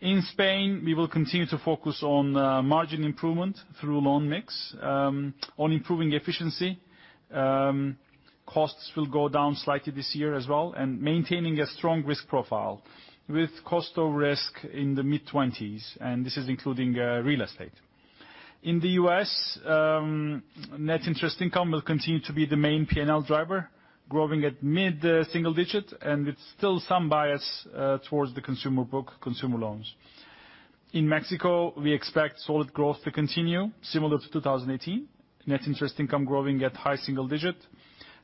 In Spain, we will continue to focus on margin improvement through loan mix, on improving efficiency. Costs will go down slightly this year as well, maintaining a strong risk profile with cost of risk in the mid-20s, and this is including real estate. In the U.S., net interest income will continue to be the main P&L driver, growing at mid-single digit, and with still some bias towards the consumer book, consumer loans. In Mexico, we expect solid growth to continue, similar to 2018. Net interest income growing at high single digit,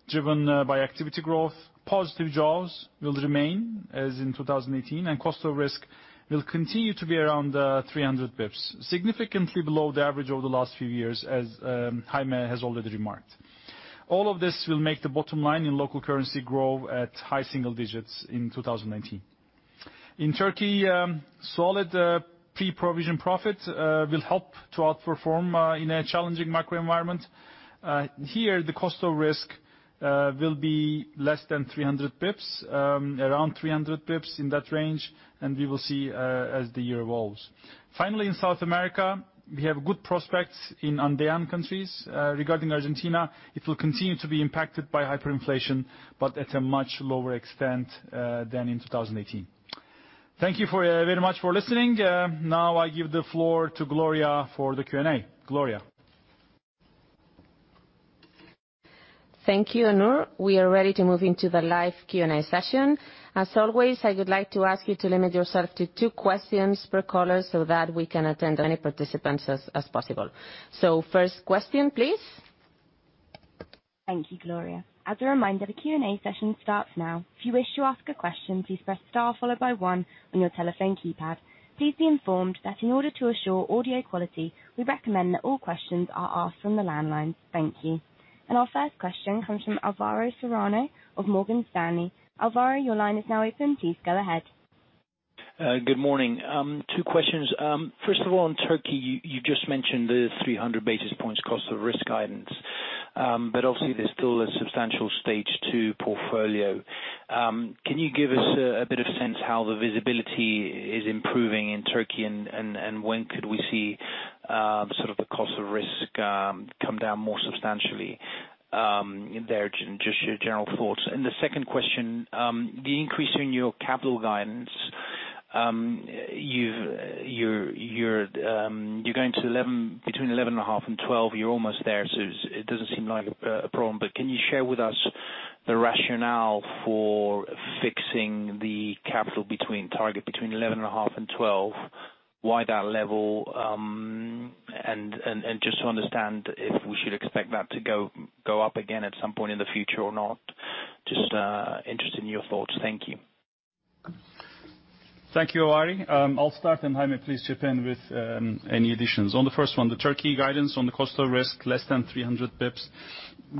driven by activity growth. Positive jaws will remain as in 2018, and cost of risk will continue to be around 300 basis points, significantly below the average over the last few years, as Jaime has already remarked. All of this will make the bottom line in local currency grow at high single digits in 2019. In Turkey, solid pre-provision profit will help to outperform in a challenging macro environment. Here, the cost of risk will be less than 300 basis points, around 300 basis points in that range, and we will see as the year evolves. Finally, in South America, we have good prospects in Andean countries. Regarding Argentina, it will continue to be impacted by hyperinflation, but at a much lower extent than in 2018. Thank you very much for listening. Now I give the floor to Gloria for the Q&A. Gloria? Thank you, Onur. We are ready to move into the live Q&A session. As always, I would like to ask you to limit yourself to two questions per caller so that we can attend as many participants as possible. First question, please. Thank you, Gloria. As a reminder, the Q&A session starts now. If you wish to ask a question, please press star followed by one on your telephone keypad. Please be informed that in order to assure audio quality, we recommend that all questions are asked from the landline. Thank you. Our first question comes from Alvaro Serrano of Morgan Stanley. Alvaro, your line is now open. Please go ahead. Good morning. Two questions. First of all, on Turkey, you just mentioned the 300 basis points cost of risk guidance. Obviously, there's still a substantial Stage two portfolio. Can you give us a bit of sense how the visibility is improving in Turkey, and when could we see the cost of risk come down more substantially there? Just your general thoughts. The second question, the increase in your capital guidance. You're going between 11.5 and 12. You're almost there, so it doesn't seem like a problem. Can you share with us the rationale for fixing the capital target between 11.5 and 12. Why that level, and just to understand if we should expect that to go up again at some point in the future or not. Just interested in your thoughts. Thank you. Thank you, Ari. I'll start, and Jaime, please chip in with any additions. On the first one, the Turkey guidance on the cost of risk, less than 300 basis points.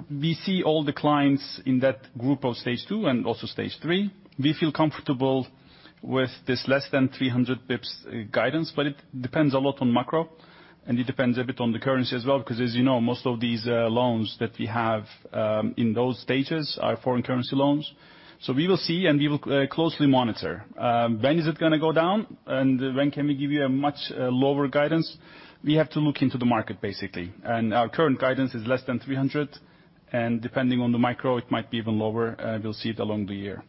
We see all the clients in that group of Stage two and also Stage three. We feel comfortable with this less than 300 basis points guidance, but it depends a lot on macro, and it depends a bit on the currency as well because, as you know, most of these loans that we have in those stages are foreign currency loans. We will see and we will closely monitor. When is it going to go down, and when can we give you a much lower guidance? We have to look into the market, basically. Our current guidance is less than 300, and depending on the macro, it might be even lower. We'll see it along the year.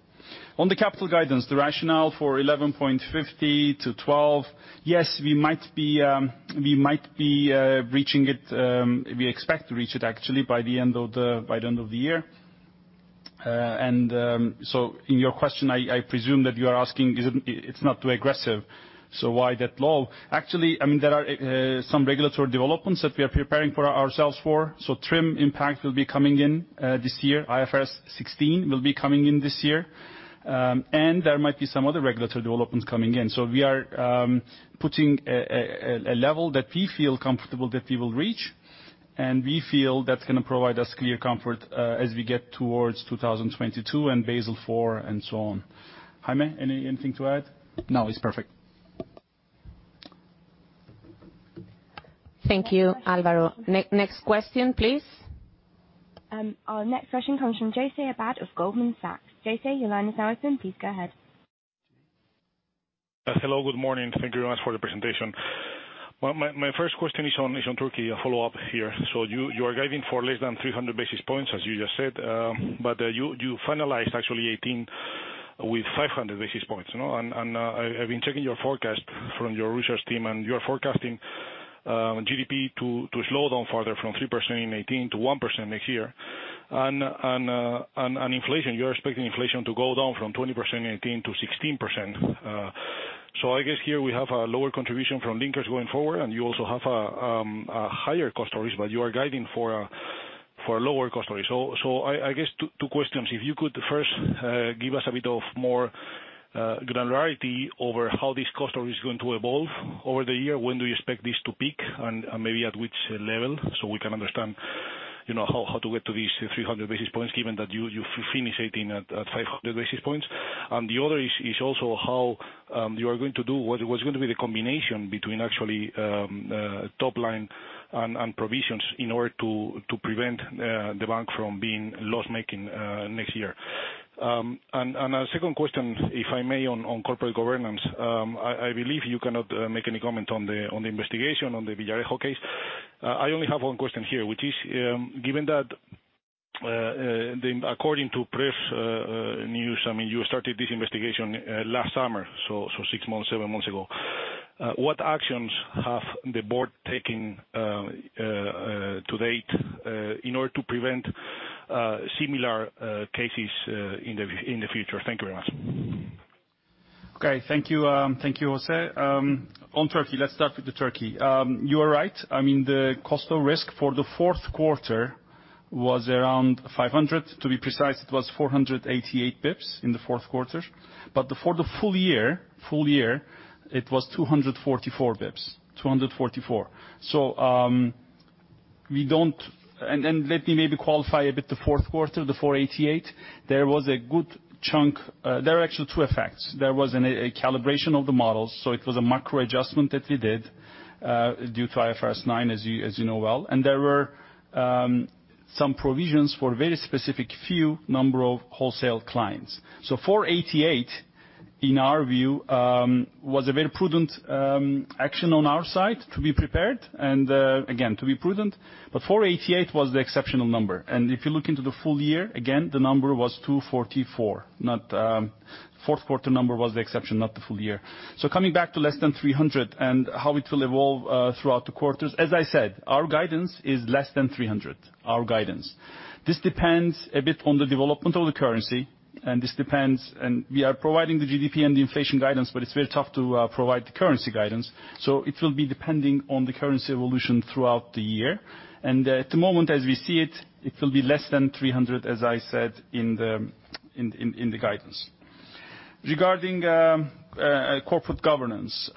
On the capital guidance, the rationale for 11.50 to 12. Yes, we might be reaching it. We expect to reach it, actually, by the end of the year. In your question, I presume that you are asking, it's not too aggressive, why that low? Actually, there are some regulatory developments that we are preparing ourselves for. TRIM impact will be coming in this year. IFRS 16 will be coming in this year. There might be some other regulatory developments coming in. We are putting a level that we feel comfortable that we will reach, and we feel that's going to provide us clear comfort as we get towards 2022 and Basel IV, and so on. Jaime, anything to add? No, it's perfect. Thank you, Alvaro. Next question, please. Our next question comes from Jose Abad of Goldman Sachs. Jose, your line is now open. Please go ahead. Hello, good morning. Thank you very much for the presentation. My first question is on Turkey, a follow-up here. You are guiding for less than 300 basis points, as you just said. You finalized actually 2018 with 500 basis points. I've been checking your forecast from your research team, and you're forecasting GDP to slow down further from 3% in 2018 to 1% next year. Inflation, you're expecting inflation to go down from 20% in 2018 to 16%. I guess here we have a lower contribution from linkers going forward, you also have a higher cost risk, you are guiding for a lower cost risk. I guess two questions. If you could first give us a bit of more granularity over how this cost is going to evolve over the year. When do you expect this to peak and maybe at which level, we can understand how to get to these 300 basis points, given that you finish 2018 at 500 basis points. The other is also how you are going to do, what's going to be the combination between actually top line and provisions in order to prevent the bank from being loss-making next year? A second question, if I may, on corporate governance. I believe you cannot make any comment on the investigation on the Villarejo case. I only have one question here, which is, given that according to press news, you started this investigation last summer, six months, seven months ago. What actions has the board taken to date in order to prevent similar cases in the future? Thank you very much. Thank you. Thank you, Jose. On Turkey, let's start with Turkey. You are right. The cost of risk for the fourth quarter was around 500 basis points. To be precise, it was 488 basis points in the fourth quarter. For the full year, it was 244 basis points. 244 basis points. Let me maybe qualify a bit the fourth quarter, the 488 basis points. There are actually two effects. There was a calibration of the models, so it was a macro adjustment that we did due to IFRS 9, as you know well. There were some provisions for a very specific few number of wholesale clients. 488 basis points, in our view, was a very prudent action on our side to be prepared and, again, to be prudent. 488 basis points was the exceptional number. If you look into the full year, again, the number was 244 basis points. Fourth quarter number was the exception, not the full year. Coming back to less than 300 basis points and how it will evolve throughout the quarters, as I said, our guidance is less than 300 basis points. Our guidance. This depends a bit on the development of the currency, and we are providing the GDP and the inflation guidance, it's very tough to provide the currency guidance. It will be depending on the currency evolution throughout the year. At the moment, as we see it will be less than 300 basis points, as I said in the guidance. Regarding corporate governance,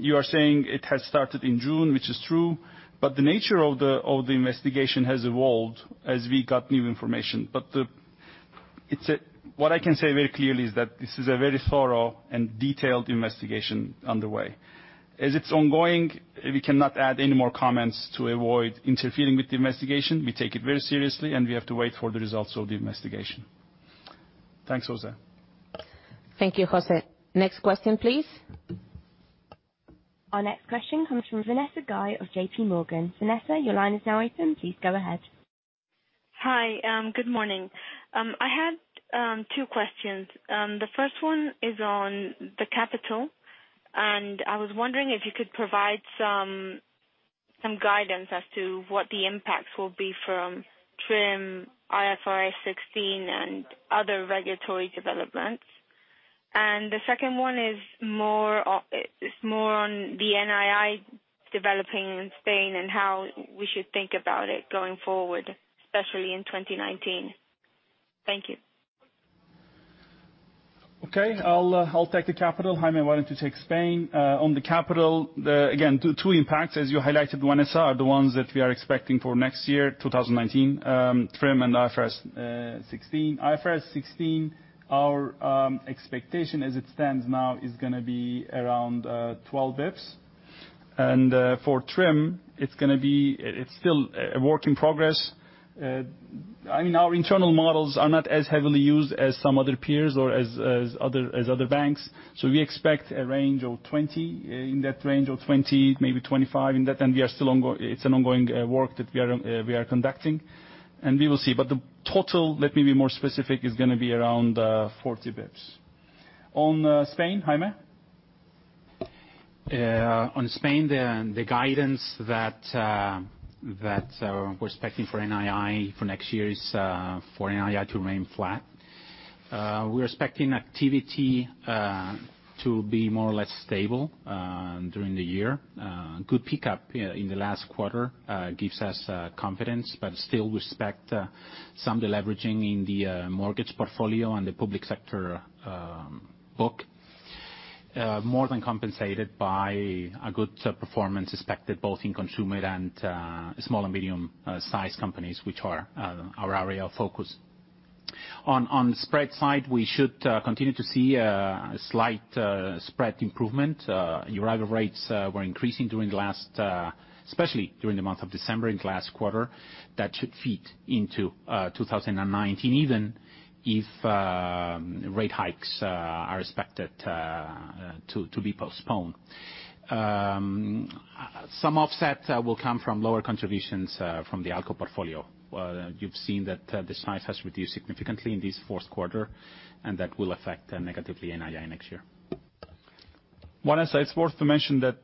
you are saying it has started in June, which is true, the nature of the investigation has evolved as we got new information. What I can say very clearly is that this is a very thorough and detailed investigation underway. As it's ongoing, we cannot add any more comments to avoid interfering with the investigation. We take it very seriously, we have to wait for the results of the investigation. Thanks, Jose. Thank you, Jose. Next question, please. Our next question comes from Vanessa Guy of JPMorgan. Vanessa, your line is now open. Please go ahead. Hi. Good morning. I had two questions. The first one is on the capital, I was wondering if you could provide some Some guidance as to what the impacts will be from TRIM, IFRS 16, and other regulatory developments. The second one is more on the NII developing in Spain and how we should think about it going forward, especially in 2019. Thank you. Okay. I'll take the capital. Jaime wanting to take Spain. On the capital, again, two impacts, as you highlighted, Vanessa, are the ones that we are expecting for next year, 2019, TRIM and IFRS 16. IFRS 16, our expectation as it stands now is going to be around 12 basis points. For TRIM, it's still a work in progress. Our internal models are not as heavily used as some other peers or as other banks. We expect a range of 20, maybe 25 in that. It's an ongoing work that we are conducting, and we will see. The total, let me be more specific, is going to be around 40 basis points. On Spain, Jaime? On Spain, the guidance that we're expecting for NII for next year is for NII to remain flat. We're expecting activity to be more or less stable during the year. Good pickup in the last quarter gives us confidence, but still we expect some deleveraging in the mortgage portfolio and the public sector book, more than compensated by a good performance expected both in consumer and small and medium-sized companies, which are our area of focus. On spread side, we should continue to see a slight spread improvement. Euribor rates were increasing, especially during the month of December in the last quarter. That should feed into 2019, even if rate hikes are expected to be postponed. Some offset will come from lower contributions from the ALCO portfolio. You've seen that the size has reduced significantly in this fourth quarter, and that will affect negatively NII next year. Vanessa, it's worth to mention that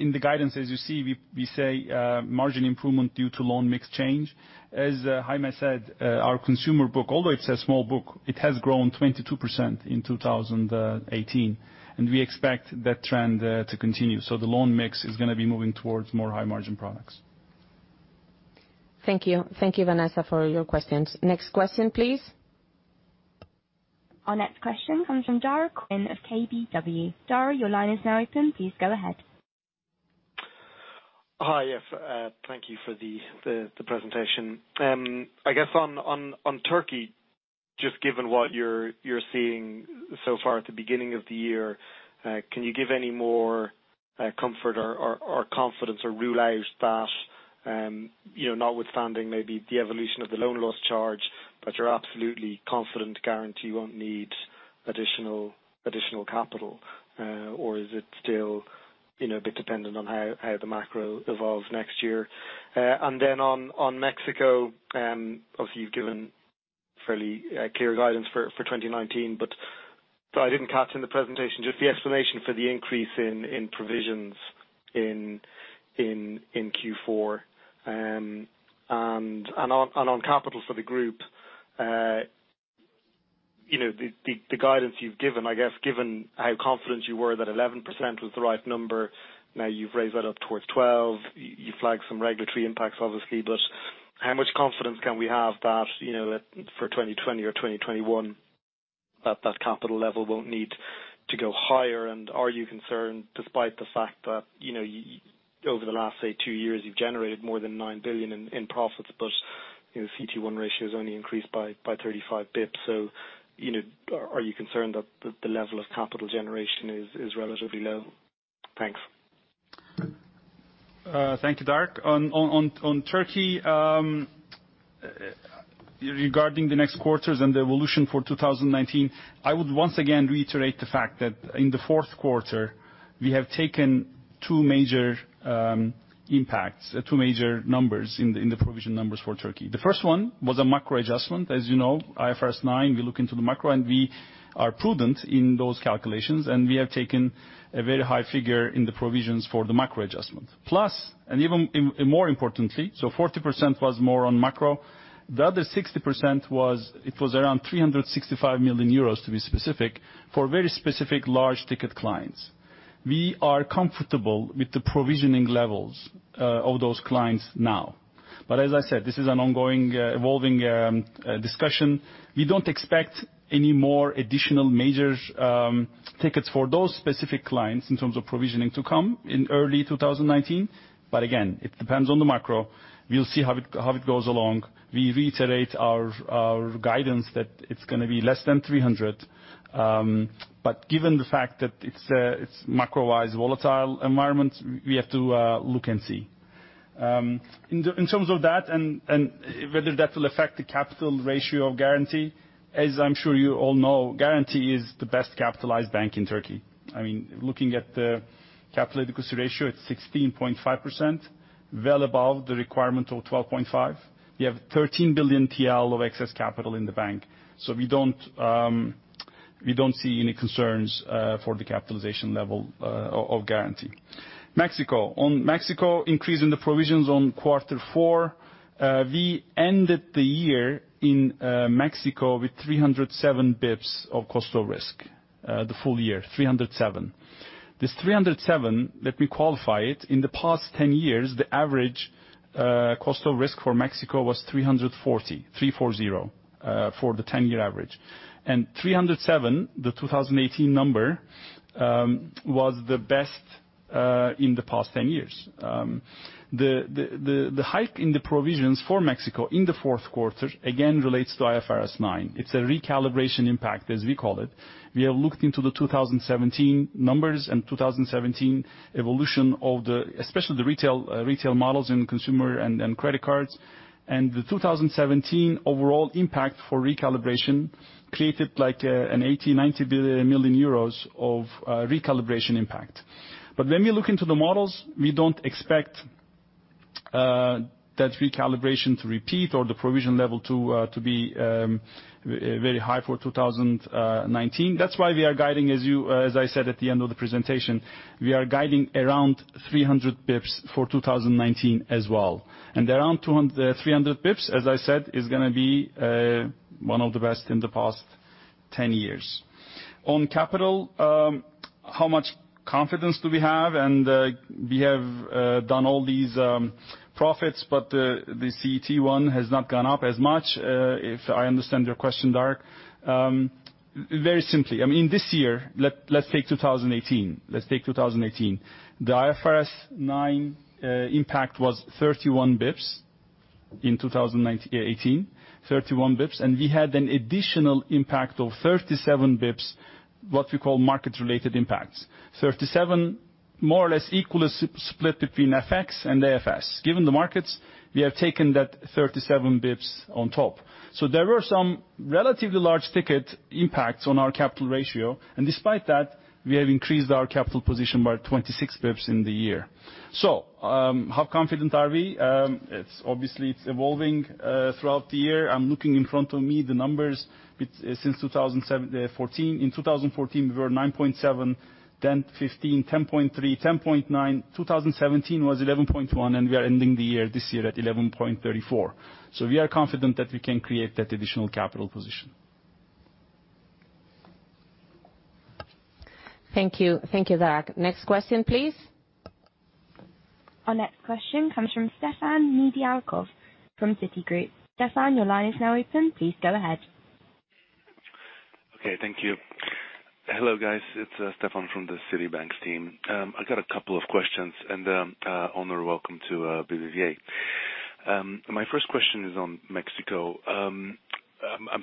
in the guidance, as you see, we say margin improvement due to loan mix change. As Jaime said, our consumer book, although it's a small book, it has grown 22% in 2018, and we expect that trend to continue. The loan mix is going to be moving towards more high-margin products. Thank you. Thank you, Vanessa, for your questions. Next question, please. Our next question comes from Daragh Quinn of KBW. Daragh, your line is now open. Please go ahead. Hi. Thank you for the presentation. I guess on Turkey, just given what you're seeing so far at the beginning of the year, can you give any more comfort or confidence or rule out that, notwithstanding maybe the evolution of the loan loss charge, but you're absolutely confident, Garanti, you won't need additional capital? Or is it still a bit dependent on how the macro evolves next year? On Mexico, obviously, you've given fairly clear guidance for 2019, but I didn't catch in the presentation just the explanation for the increase in provisions in Q4. On capital for the group, the guidance you've given, I guess, given how confident you were that 11% was the right number, now you've raised that up towards 12%. You flagged some regulatory impacts, obviously, how much confidence can we have that for 2020 or 2021, that that capital level won't need to go higher? Are you concerned despite the fact that over the last, say, two years, you've generated more than 9 billion in profits, but CET1 ratio's only increased by 35 basis points. Are you concerned that the level of capital generation is relatively low? Thanks. Thank you, Daragh. On Turkey, regarding the next quarters and the evolution for 2019, I would once again reiterate the fact that in the fourth quarter, we have taken two major impacts, two major numbers in the provision numbers for Turkey. The first one was a macro adjustment. As you know, IFRS 9, we look into the macro, and we are prudent in those calculations, and we have taken a very high figure in the provisions for the macro adjustment. 40% was more on macro. The other 60%, it was around 365 million euros, to be specific, for very specific large ticket clients. We are comfortable with the provisioning levels of those clients now. As I said, this is an ongoing, evolving discussion. We don't expect any more additional major tickets for those specific clients in terms of provisioning to come in early 2019. Again, it depends on the macro. We'll see how it goes along. We reiterate our guidance that it's going to be less than 300 basis points. Given the fact that it's macro-wise volatile environment, we have to look and see. In terms of that and whether that will affect the capital ratio of Garanti, as I'm sure you all know, Garanti is the best capitalized bank in Turkey. Looking at the capital adequacy ratio, it's 16.5%, well above the requirement of 12.5%. We have 13 billion TL of excess capital in the bank. We don't see any concerns for the capitalization level of Garanti. Mexico. On Mexico, increase in the provisions on Q4, we ended the year in Mexico with 307 basis points of cost of risk. The full year, 307 basis points. This 307 basis points, let me qualify it. In the past 10 years, the average cost of risk for Mexico was 340 basis points, for the 10-year average. 307 basis points, the 2018 number, was the best in the past 10 years. The hike in the provisions for Mexico in the fourth quarter, again, relates to IFRS 9. It's a recalibration impact, as we call it. We have looked into the 2017 numbers and 2017 evolution of especially the retail models in consumer and credit cards. The 2017 overall impact for recalibration created an 80, 90 billion million euros of recalibration impact. When we look into the models, we don't expect that recalibration to repeat or the provision level to be very high for 2019. That's why we are guiding, as I said at the end of the presentation, we are guiding around 300 basis points for 2019 as well. Around 300 basis points, as I said, is going to be one of the best in the past 10 years. On capital, how much confidence do we have? We have done all these profits, but the CET1 has not gone up as much, if I understand your question, Dark. Very simply, I mean, this year, let's take 2018. The IFRS 9 impact was 31 basis points in 2018, 31 basis points. We had an additional impact of 37 basis points, what we call market-related impacts. 37 basis points, more or less equally split between FX and AFS. Given the markets, we have taken that 37 basis points on top. There were some relatively large ticket impacts on our capital ratio, and despite that, we have increased our capital position by 26 basis points in the year. How confident are we? Obviously, it's evolving throughout the year. I'm looking in front of me the numbers since 2014. In 2014, we were 9.7%, 2015, 10.3%, 10.9%. 2017 was 11.1,% and we are ending the year this year at 11.34%. We are confident that we can create that additional capital position. Thank you. Thank you, Dark. Next question, please. Our next question comes from Stefan Nedialkov from Citigroup. Stefan, your line is now open. Please go ahead. Okay. Thank you. Hello, guys. It's Stefan from the Citi Bank team. Onur, welcome to BBVA. My first question is on Mexico. I'm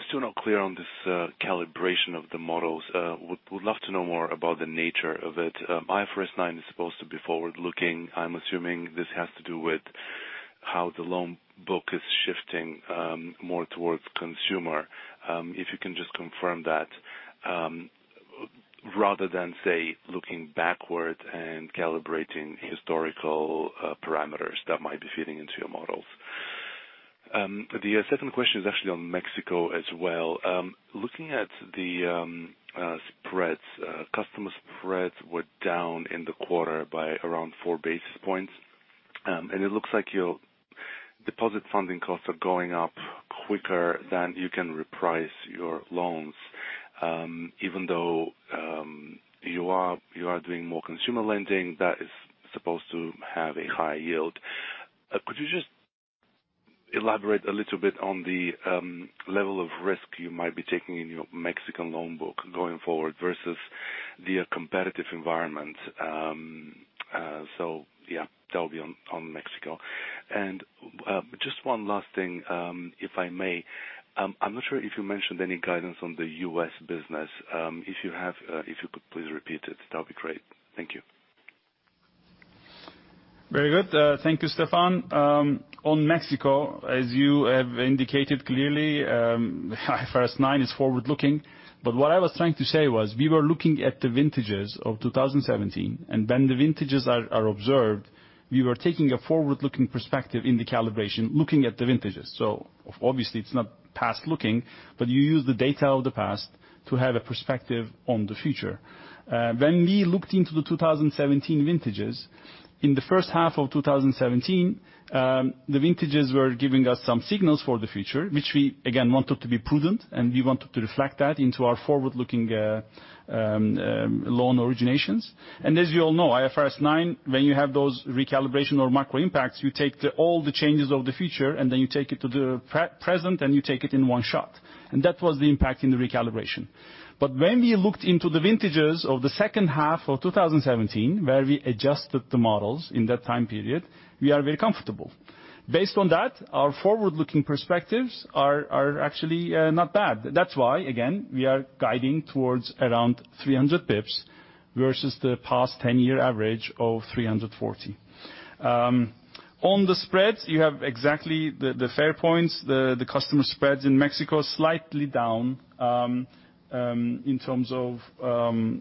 still not clear on this calibration of the models. Would love to know more about the nature of it. IFRS 9 is supposed to be forward-looking. I'm assuming this has to do with how the loan book is shifting more towards consumer. If you can just confirm that, rather than, say, looking backward and calibrating historical parameters that might be feeding into your models. The second question is actually on Mexico as well. Looking at the spreads, customer spreads were down in the quarter by around four basis points. It looks like your deposit funding costs are going up quicker than you can reprice your loans. Even though you are doing more consumer lending, that is supposed to have a high yield. Could you just elaborate a little bit on the level of risk you might be taking in your Mexican loan book going forward versus the competitive environment? Yeah, that would be on Mexico. Just one last thing, if I may. I'm not sure if you mentioned any guidance on the U.S. business. If you have, if you could please repeat it, that would be great. Thank you. Very good. Thank you, Stefan. On Mexico, as you have indicated clearly, IFRS 9 is forward-looking. What I was trying to say was we were looking at the vintages of 2017, and when the vintages are observed, we were taking a forward-looking perspective in the calibration, looking at the vintages. Obviously it's not past-looking, but you use the data of the past to have a perspective on the future. When we looked into the 2017 vintages, in the first half of 2017, the vintages were giving us some signals for the future, which we, again, wanted to be prudent, and we wanted to reflect that into our forward-looking loan originations. As you all know, IFRS 9, when you have those recalibration or macro impacts, you take all the changes of the future, and then you take it to the present, and you take it in one shot. That was the impact in the recalibration. When we looked into the vintages of the second half of 2017, where we adjusted the models in that time period, we are very comfortable. Based on that, our forward-looking perspectives are actually not bad. That's why, again, we are guiding towards around 300 basis points versus the past 10-year average of 340 basis points. On the spreads, you have exactly the fair points. The customer spreads in Mexico slightly down, in terms of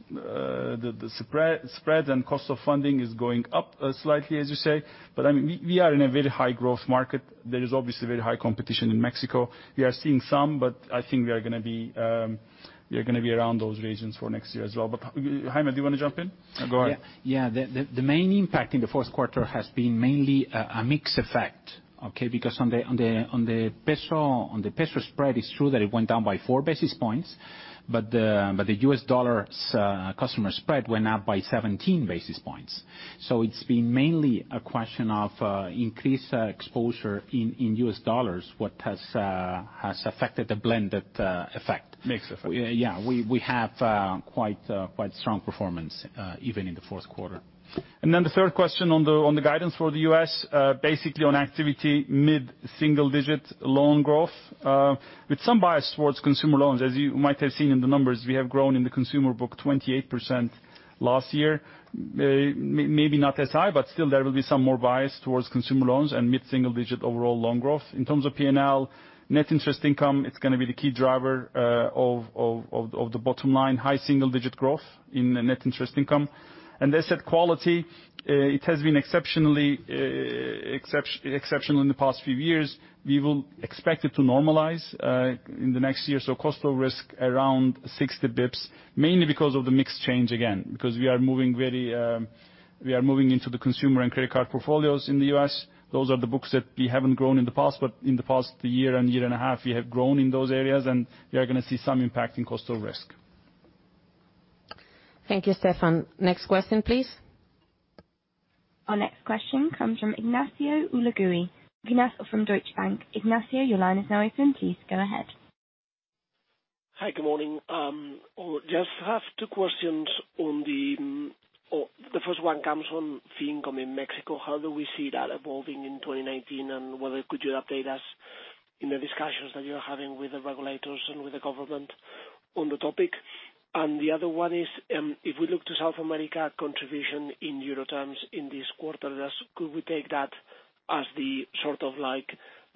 the spread and cost of funding is going up slightly, as you say. We are in a very high growth market. There is obviously very high competition in Mexico. We are seeing some, but I think we are going to be around those regions for next year as well. Jaime, do you want to jump in? Go ahead. Yeah. The main impact in the fourth quarter has been mainly a mix effect, okay? Because on the peso spread, it's true that it went down by four basis points, but the U.S. dollar's customer spread went up by 17 basis points. It's been mainly a question of increased exposure in U.S. dollars what has affected the blended effect. Mix effect. Yeah. We have quite strong performance, even in the fourth quarter. The third question on the guidance for the U.S., basically on activity, mid-single-digit loan growth, with some bias towards consumer loans. As you might have seen in the numbers, we have grown in the consumer book 28% last year. Maybe not as high, but still there will be some more bias towards consumer loans and mid-single-digit overall loan growth. In terms of P&L, net interest income, it's going to be the key driver of the bottom line, high single-digit growth in net interest income. Asset quality, it has been exceptional in the past few years. We will expect it to normalize in the next year, so cost of risk around 60 basis points, mainly because of the mix change again. Because we are moving into the consumer and credit card portfolios in the U.S. Those are the books that we haven't grown in the past, in the past year and year and a half, we have grown in those areas, and we are going to see some impact in cost of risk. Thank you, Stefan. Next question, please. Our next question comes from Ignacio Ulargui from Deutsche Bank. Ignacio, your line is now open. Please go ahead. Hi, good morning. Just have two questions. The first one comes from fee income in Mexico, how do we see that evolving in 2019? Whether could you update us in the discussions that you're having with the regulators and with the government on the topic. The other one is, if we look to South America contribution in euro terms in this quarter, could we take that as the sort of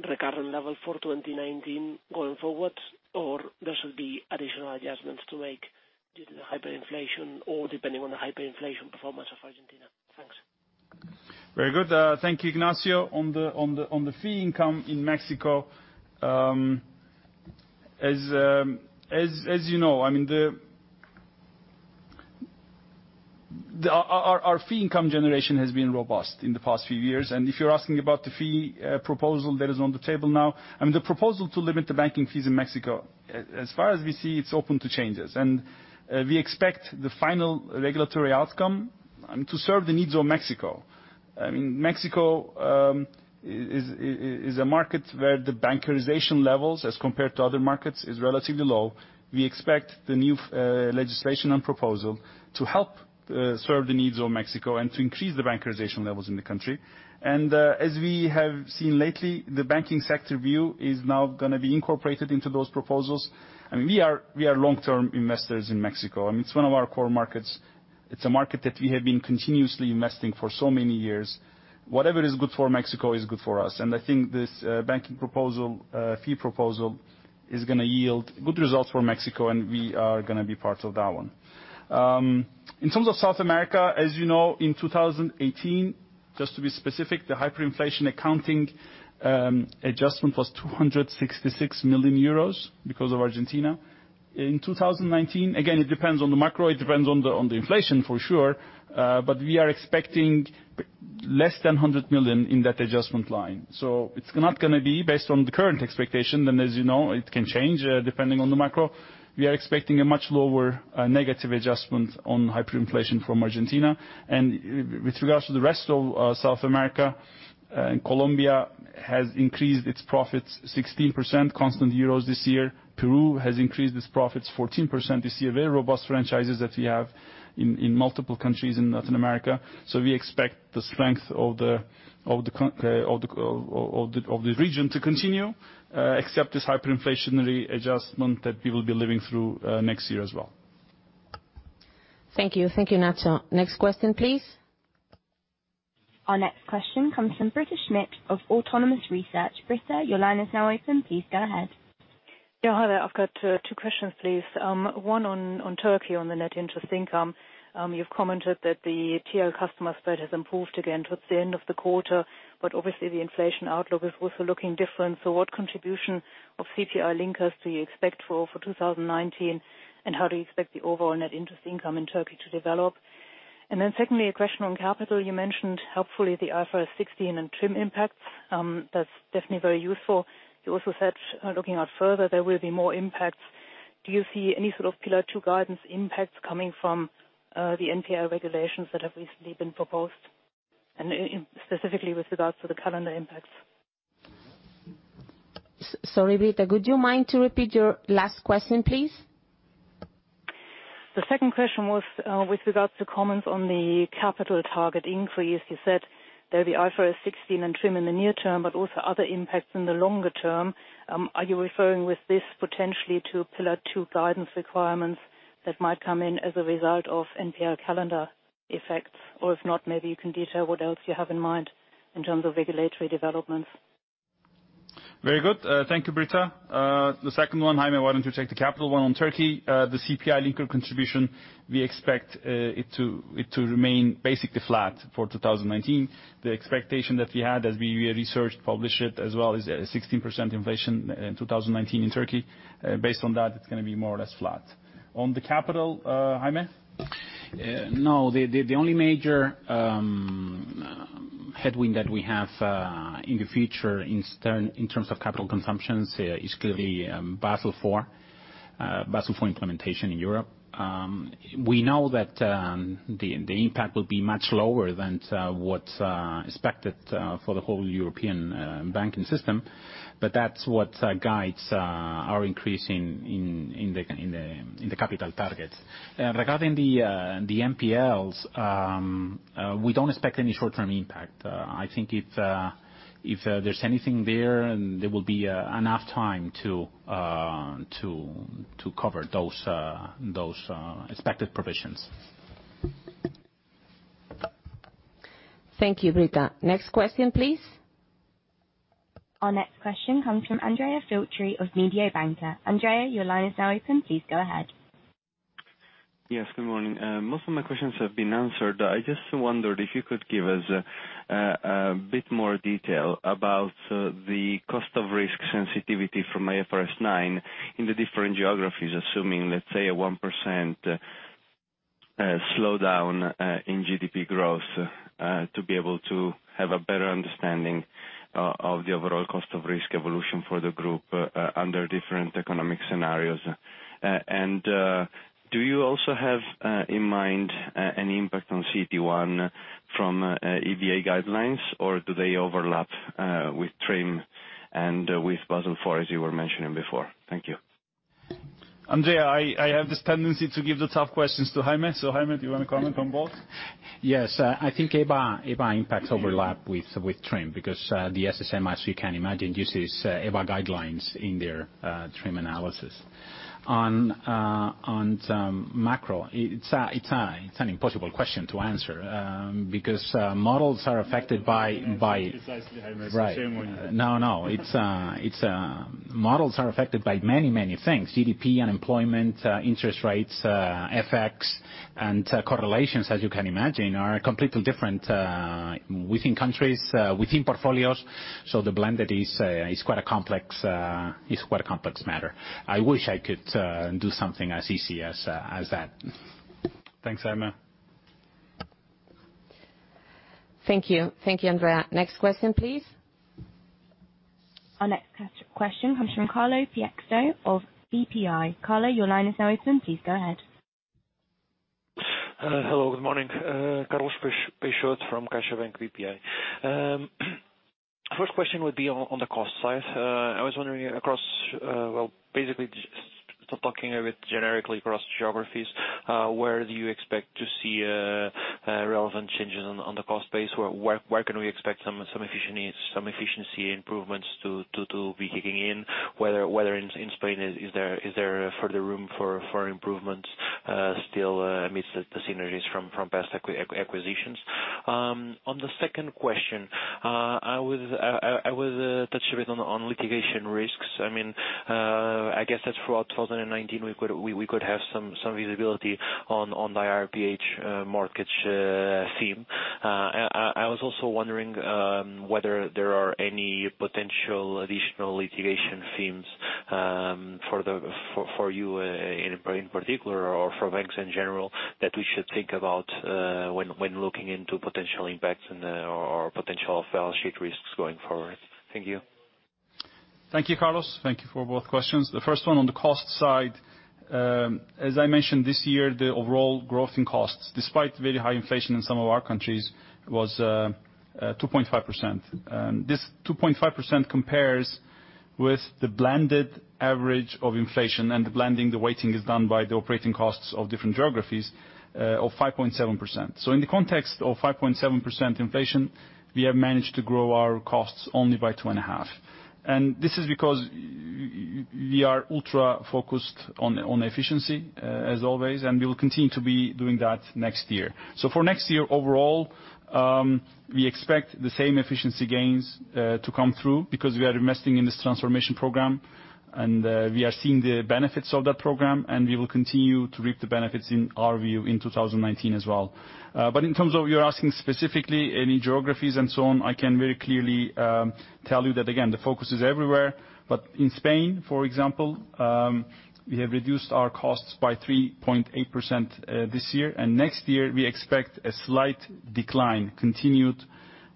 recurrent level for 2019 going forward, or there should be additional adjustments to make due to the hyperinflation, or depending on the hyperinflation performance of Argentina? Thanks. Very good. Thank you, Ignacio. On the fee income in Mexico, as you know, our fee income generation has been robust in the past few years. If you're asking about the fee proposal that is on the table now, the proposal to limit the banking fees in Mexico, as far as we see, it's open to changes. We expect the final regulatory outcome to serve the needs of Mexico. Mexico is a market where the bankerization levels, as compared to other markets, is relatively low. We expect the new legislation and proposal to help serve the needs of Mexico and to increase the bankerization levels in the country. As we have seen lately, the banking sector view is now going to be incorporated into those proposals. We are long-term investors in Mexico. It's one of our core markets. It's a market that we have been continuously investing for so many years. Whatever is good for Mexico is good for us, and I think this banking fee proposal is going to yield good results for Mexico, and we are going to be part of that one. In terms of South America, as you know, in 2018, just to be specific, the hyperinflation accounting adjustment was 266 million euros because of Argentina. In 2019, again, it depends on the macro, it depends on the inflation for sure, but we are expecting less than 100 million in that adjustment line. It's not going to be based on the current expectation, then as you know, it can change depending on the macro. We are expecting a much lower negative adjustment on hyperinflation from Argentina. With regards to the rest of South America, Colombia has increased its profits 16% constant EUR this year. Peru has increased its profits 14% this year. Very robust franchises that we have in multiple countries in Latin America. We expect the strength of the region to continue, except this hyperinflationary adjustment that we will be living through next year as well. Thank you. Thank you, Ignacio. Next question, please. Our next question comes from Britta Schmidt of Autonomous Research. Britta, your line is now open. Please go ahead. Hi there. I've got two questions, please. One on Turkey on the net interest income. You've commented that the tier customer spread has improved again towards the end of the quarter, but obviously the inflation outlook is also looking different. What contribution of CPI linkers do you expect for 2019, and how do you expect the overall net interest income in Turkey to develop? Secondly, a question on capital. You mentioned helpfully the IFRS 16 and TRIM impacts. That's definitely very useful. You also said looking out further, there will be more impacts. Do you see any sort of Pillar 2 guidance impacts coming from the NPL regulations that have recently been proposed? Specifically with regards to the calendar impacts. Sorry, Britta, would you mind to repeat your last question, please? The second question was with regards to comments on the capital target increase. You said there'll be IFRS 16 and TRIM in the near term, but also other impacts in the longer term. Are you referring with this potentially to Pillar 2 guidance requirements? That might come in as a result of NPL calendar effects. If not, maybe you can detail what else you have in mind in terms of regulatory developments. Very good. Thank you, Britta. The second one, Jaime, why don't you take the capital one on Turkey? The CPI linked contribution, we expect it to remain basically flat for 2019. The expectation that we had as we researched, published it, as well is 16% inflation in 2019 in Turkey. Based on that, it's going to be more or less flat. On the capital, Jaime? No, the only major headwind that we have in the future in terms of capital consumptions is clearly Basel IV implementation in Europe. We know that the impact will be much lower than what's expected for the whole European banking system, that's what guides our increase in the capital targets. Regarding the NPLs, we don't expect any short-term impact. I think if there's anything there will be enough time to cover those expected provisions. Thank you, Britta. Next question, please. Our next question comes from Andrea Filtri of Mediobanca. Andrea, your line is now open. Please go ahead. Yes, good morning. Most of my questions have been answered. I just wondered if you could give us a bit more detail about the cost of risk sensitivity from IFRS 9 in the different geographies, assuming, let's say, a 1% slowdown in GDP growth to be able to have a better understanding of the overall cost of risk evolution for the group under different economic scenarios. Do you also have in mind an impact on CET1 from EBA guidelines, or do they overlap with TRIM and with Basel IV, as you were mentioning before? Thank you. Andrea, I have this tendency to give the tough questions to Jaime. Jaime, do you want to comment on both? Yes. I think EBA impacts overlap with TRIM because the SSM, as you can imagine, uses EBA guidelines in their TRIM analysis. On macro, it's an impossible question to answer, because models are affected by- I'll leave that to you precisely, Jaime. Same one. No, no. Models are affected by many things. GDP, unemployment, interest rates, FX, and correlations, as you can imagine, are completely different within countries, within portfolios. The blend is quite a complex matter. I wish I could do something as easy as that. Thanks, Jaime. Thank you. Thank you, Andrea. Next question, please. Our next question comes from Carlos Peixoto of BPI. Carlos, your line is now open. Please go ahead. Hello, good morning. Carlos Peixoto from CaixaBank, BPI. First question would be on the cost side. I was wondering across, well, basically just talking a bit generically across geographies, where do you expect to see relevant changes on the cost base? Where can we expect some efficiency improvements to be kicking in, whether in Spain, is there further room for improvements still amidst the synergies from past acquisitions? On the second question, I would touch a bit on litigation risks. I guess that throughout 2019, we could have some visibility on the IRPH mortgage theme. I was also wondering whether there are any potential additional litigation themes for you in particular, or for banks in general, that we should think about when looking into potential impacts or potential balance sheet risks going forward. Thank you. Thank you, Carlos. Thank you for both questions. The first one on the cost side, as I mentioned this year, the overall growth in costs, despite very high inflation in some of our countries, was 2.5%. This 2.5% compares with the blended average of inflation, and the blending, the weighting is done by the operating costs of different geographies, of 5.7%. In the context of 5.7% inflation, we have managed to grow our costs only by 2.5%. This is because we are ultra-focused on efficiency, as always, and we will continue to be doing that next year. For next year, overall, we expect the same efficiency gains to come through, because we are investing in this transformation program, and we are seeing the benefits of that program, and we will continue to reap the benefits in our view in 2019 as well. In terms of you're asking specifically any geographies and so on, I can very clearly tell you that again, the focus is everywhere. In Spain, for example, we have reduced our costs by 3.8% this year. Next year, we expect a slight decline, continued decline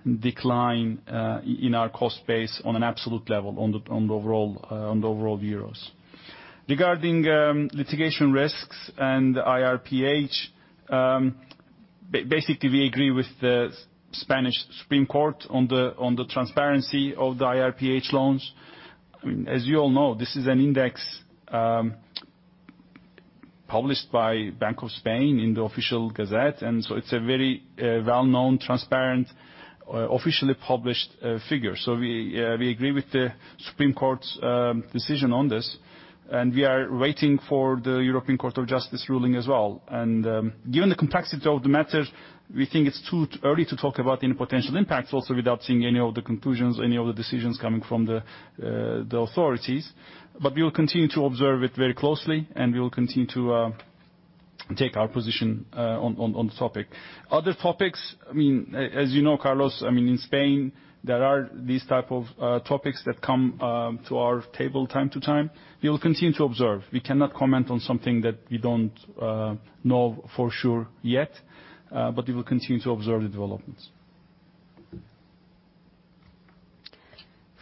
in our cost base on an absolute level, on the overall euros. Regarding litigation risks and IRPH, basically we agree with the Spanish Supreme Court on the transparency of the IRPH loans. As you all know, this is an index published by Bank of Spain in the official Gazette. It's a very well-known, transparent, officially published figure. We agree with the Spanish Supreme Court's decision on this, and we are waiting for the European Court of Justice ruling as well. Given the complexity of the matter, we think it's too early to talk about any potential impacts, also without seeing any of the conclusions, any of the decisions coming from the authorities. We will continue to observe it very closely, and we will continue to take our position on the topic. Other topics, as you know, Carlos, in Spain, there are these type of topics that come to our table time to time. We will continue to observe. We cannot comment on something that we don't know for sure yet, we will continue to observe the developments.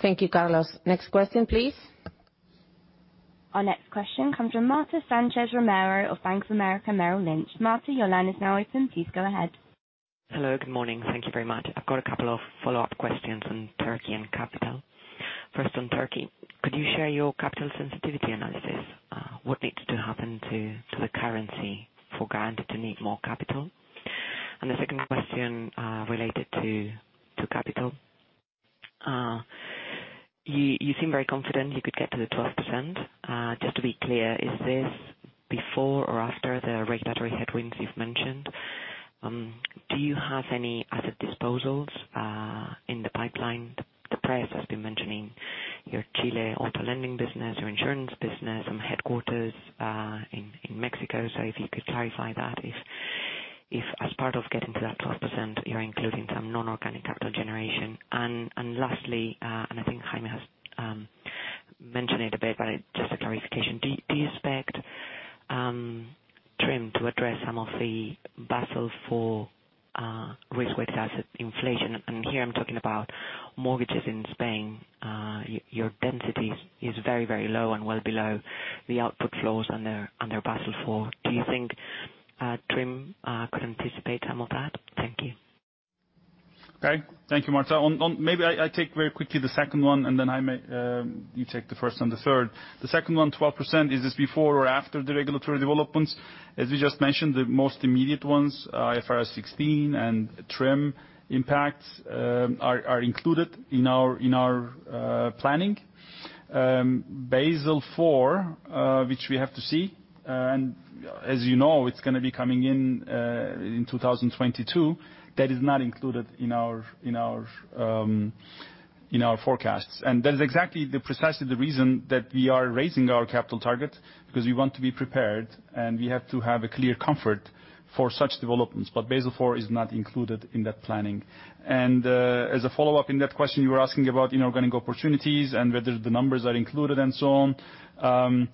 Thank you, Carlos. Next question, please. Our next question comes from Marta Sánchez Romero of Bank of America Merrill Lynch. Marta, your line is now open. Please go ahead. Hello. Good morning. Thank you very much. I've got a couple of follow-up questions on Turkey and capital. First on Turkey, could you share your capital sensitivity analysis? What needs to happen to the currency for Garanti to need more capital? The second question related to capital. You seem very confident you could get to the 12%. Just to be clear, is this before or after the regulatory headwinds you've mentioned? Do you have any other disposals in the pipeline? The press has been mentioning your Chile auto lending business, your insurance business, some headquarters in Mexico. If you could clarify that, if as part of getting to that 12%, you're including some non-organic capital generation. Lastly, I think Jaime has mentioned it a bit, just a clarification. Do you expect TRIM to address some of the Basel IV risk-weighted asset inflation? Here I'm talking about mortgages in Spain. Your density is very low and well below the output flows under Basel IV. Do you think TRIM could anticipate some of that? Thank you. Okay. Thank you, Marta. Maybe I take very quickly the second one, then Jaime, you take the first and the third. The second one, 12%, is this before or after the regulatory developments? As we just mentioned, the most immediate ones, IFRS 16 and TRIM impacts, are included in our planning. Basel IV, which we have to see, and as you know, it's going to be coming in 2022. That is not included in our forecasts. That is exactly precisely the reason that we are raising our capital target, because we want to be prepared, and we have to have a clear comfort for such developments. Basel IV is not included in that planning. As a follow-up in that question, you were asking about organic opportunities and whether the numbers are included and so on.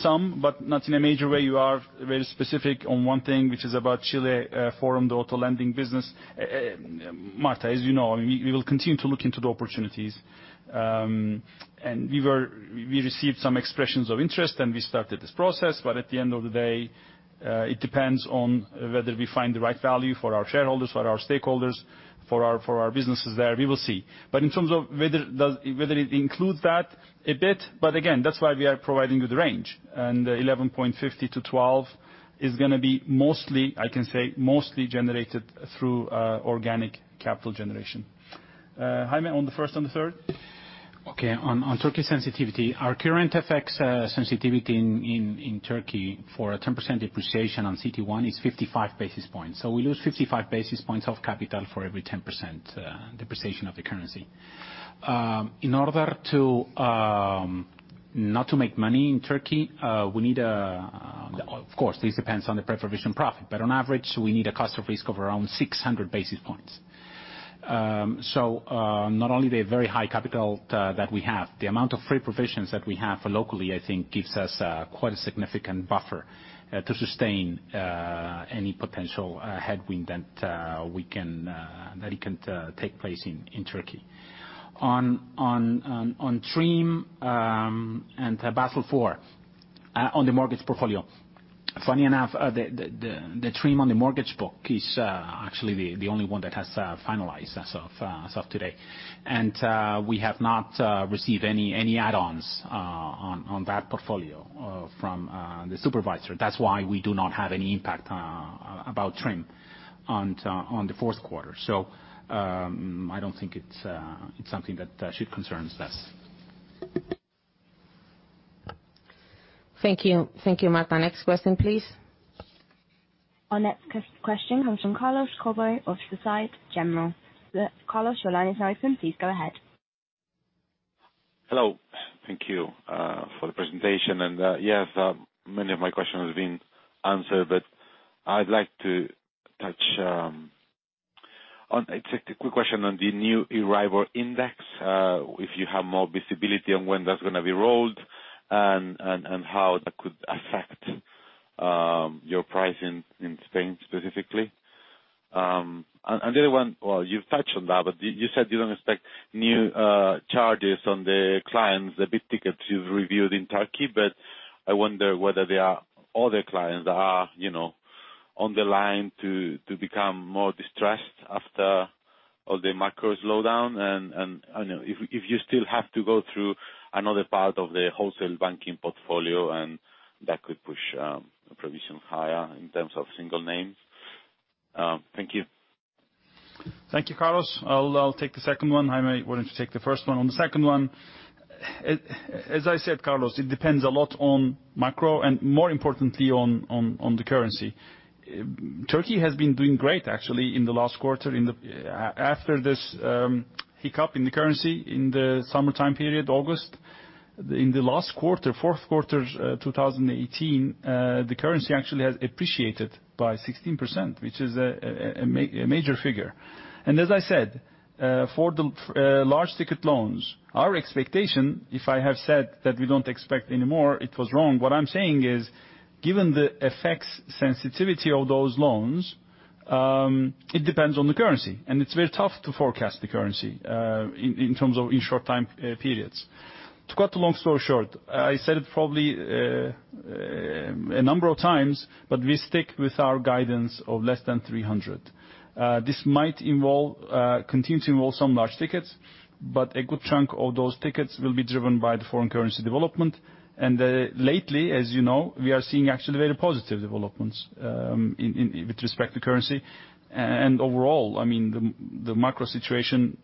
Some, but not in a major way. You are very specific on one thing, which is about Chile Forum, the auto lending business. Marta, as you know, we will continue to look into the opportunities. We received some expressions of interest, and we started this process, at the end of the day, it depends on whether we find the right value for our shareholders, for our stakeholders, for our businesses there. We will see. In terms of whether it includes that a bit, but again, that's why we are providing you the range. 11.50 to 12 is going to be mostly, I can say, mostly generated through organic capital generation. Jaime, on the first and the third? Okay. On Turkey sensitivity, our current FX sensitivity in Turkey for a 10% depreciation on CET1 is 55 basis points. We lose 55 basis points of capital for every 10% depreciation of the currency. In order to not make money in Turkey, we need, of course, this depends on the pre-provision profit, on average, we need a cost of risk of around 600 basis points. Not only the very high capital that we have, the amount of free provisions that we have locally, I think, gives us quite a significant buffer to sustain any potential headwind that we can take place in Turkey. On TRIM and Basel IV on the mortgage portfolio. Funny enough, the TRIM on the mortgage book is actually the only one that has finalized as of today. We have not received any add-ons on that portfolio from the supervisor. That's why we do not have any impact about TRIM on the fourth quarter. I don't think it's something that should concern us. Thank you. Thank you, Marta. Next question, please. Our next question comes from Carlos Cobo of Société Générale. Carlos, your line is now open. Please go ahead. Hello. Thank you for the presentation. Yes, many of my questions have been answered, but I'd like to touch on a quick question on the new arrival index, if you have more visibility on when that's going to be rolled and how that could affect your pricing in Spain specifically. The other one, well, you've touched on that, but you said you don't expect new charges on the clients, the big tickets you've reviewed in Turkey, but I wonder whether there are other clients that are on the line to become more distressed after all the macro slowdown, and if you still have to go through another part of the wholesale banking portfolio, and that could push provision higher in terms of single names. Thank you. Thank you, Carlos. I'll take the second one. Jaime, why don't you take the first one? On the second one, as I said, Carlos, it depends a lot on macro and more importantly, on the currency. Turkey has been doing great, actually, in the last quarter, after this hiccup in the currency in the summertime period, August. In the last quarter, fourth quarter 2018, the currency actually has appreciated by 16%, which is a major figure. As I said, for the large ticket loans, our expectation, if I have said that we don't expect any more, it was wrong. What I'm saying is, given the effects sensitivity of those loans, it depends on the currency, and it's very tough to forecast the currency, in terms of in short time periods. To cut a long story short, I said it probably a number of times, but we stick with our guidance of less than 300 basis points. This might continue to involve some large tickets, but a good chunk of those tickets will be driven by the foreign currency development. Lately, as you know, we are seeing actually very positive developments with respect to currency. Overall, the macro situation,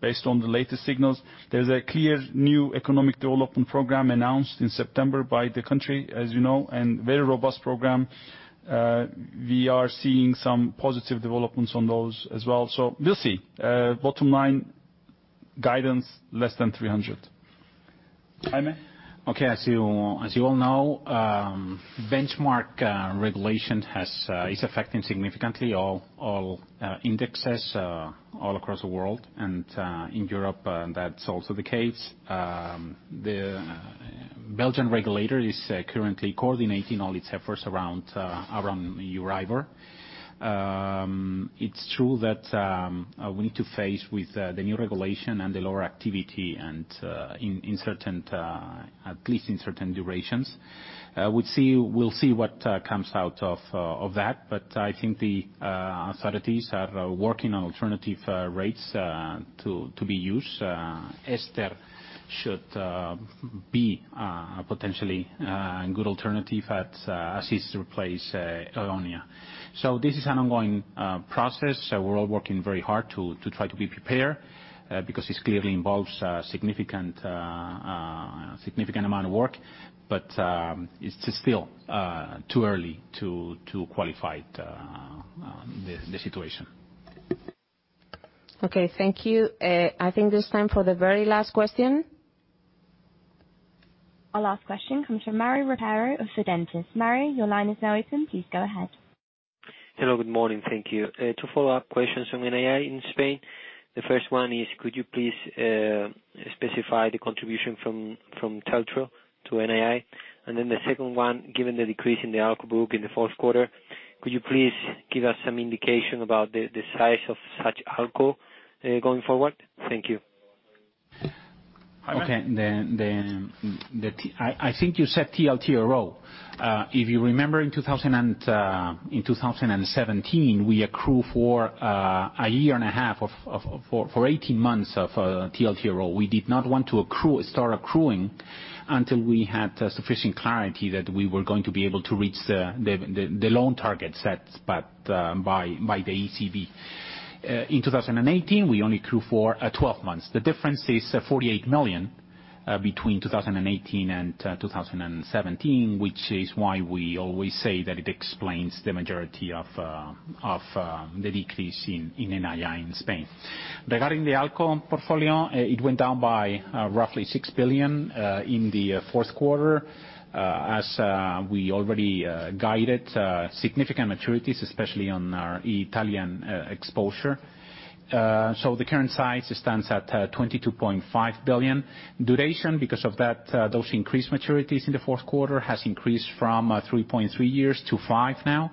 based on the latest signals, there's a clear new economic development program announced in September by the country, as you know, and very robust program. We are seeing some positive developments on those as well. We'll see. Bottom line, guidance less than 300. Jaime? Okay. As you all know, benchmark regulation is affecting significantly all indexes all across the world. In Europe, that's also the case. The Belgian regulator is currently coordinating all its efforts around Euribor. It's true that we need to face with the new regulation and the lower activity, at least in certain durations. We'll see what comes out of that. I think the authorities are working on alternative rates to be used. ESTER should be a potentially good alternative as it replace EONIA. This is an ongoing process, so we're all working very hard to try to be prepared, because this clearly involves significant amount of work. It's still too early to qualify the situation. Okay, thank you. I think there's time for the very last question. Our last question comes from Mario Ropero of Sabadell. Mario, your line is now open. Please go ahead. Hello, good morning. Thank you. Two follow-up questions on NII in Spain. The first one is, could you please specify the contribution from TLTRO to NII? The second one, given the decrease in the ALCO book in the fourth quarter, could you please give us some indication about the size of such ALCO going forward? Thank you. Jaime? Okay. I think you said TLTRO. If you remember, in 2017, we accrue for a year and a half, for 18 months of TLTRO. We did not want to start accruing until we had sufficient clarity that we were going to be able to reach the loan target sets by the ECB. In 2018, we only accrue for 12 months. The difference is 48 million between 2018 and 2017, which is why we always say that it explains the majority of the decrease in NII in Spain. Regarding the ALCO portfolio, it went down by roughly 6 billion in the fourth quarter. As we already guided significant maturities, especially on our Italian exposure. The current size stands at 22.5 billion. Duration, because of those increased maturities in the fourth quarter, has increased from three point three years to five now.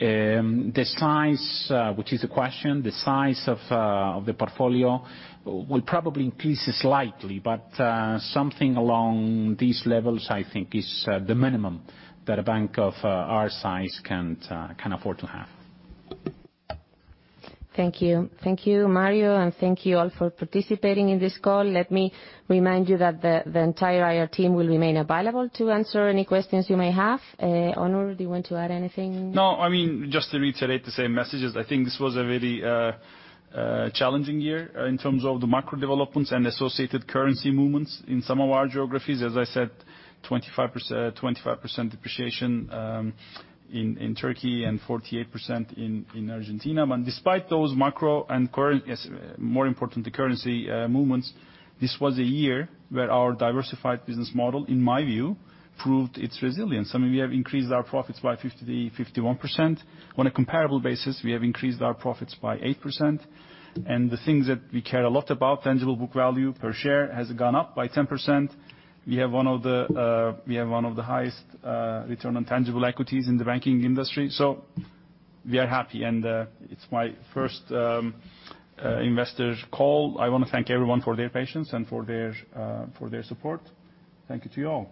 The size, which is the question, the size of the portfolio will probably increase slightly, but something along these levels, I think, is the minimum that a bank of our size can afford to have. Thank you. Thank you, Mario, and thank you all for participating in this call. Let me remind you that the entire IR team will remain available to answer any questions you may have. Onur, do you want to add anything? Just to reiterate the same messages. I think this was a very challenging year in terms of the macro developments and associated currency movements in some of our geographies. As I said, 25% depreciation in Turkey and 48% in Argentina. Despite those macro and more importantly, currency movements, this was a year where our diversified business model, in my view, proved its resilience. I mean, we have increased our profits by 51%. On a comparable basis, we have increased our profits by 8%. The things that we care a lot about, tangible book value per share, has gone up by 10%. We have one of the highest return on tangible equities in the banking industry. We are happy. It's my first investor call. I want to thank everyone for their patience and for their support. Thank you to you all.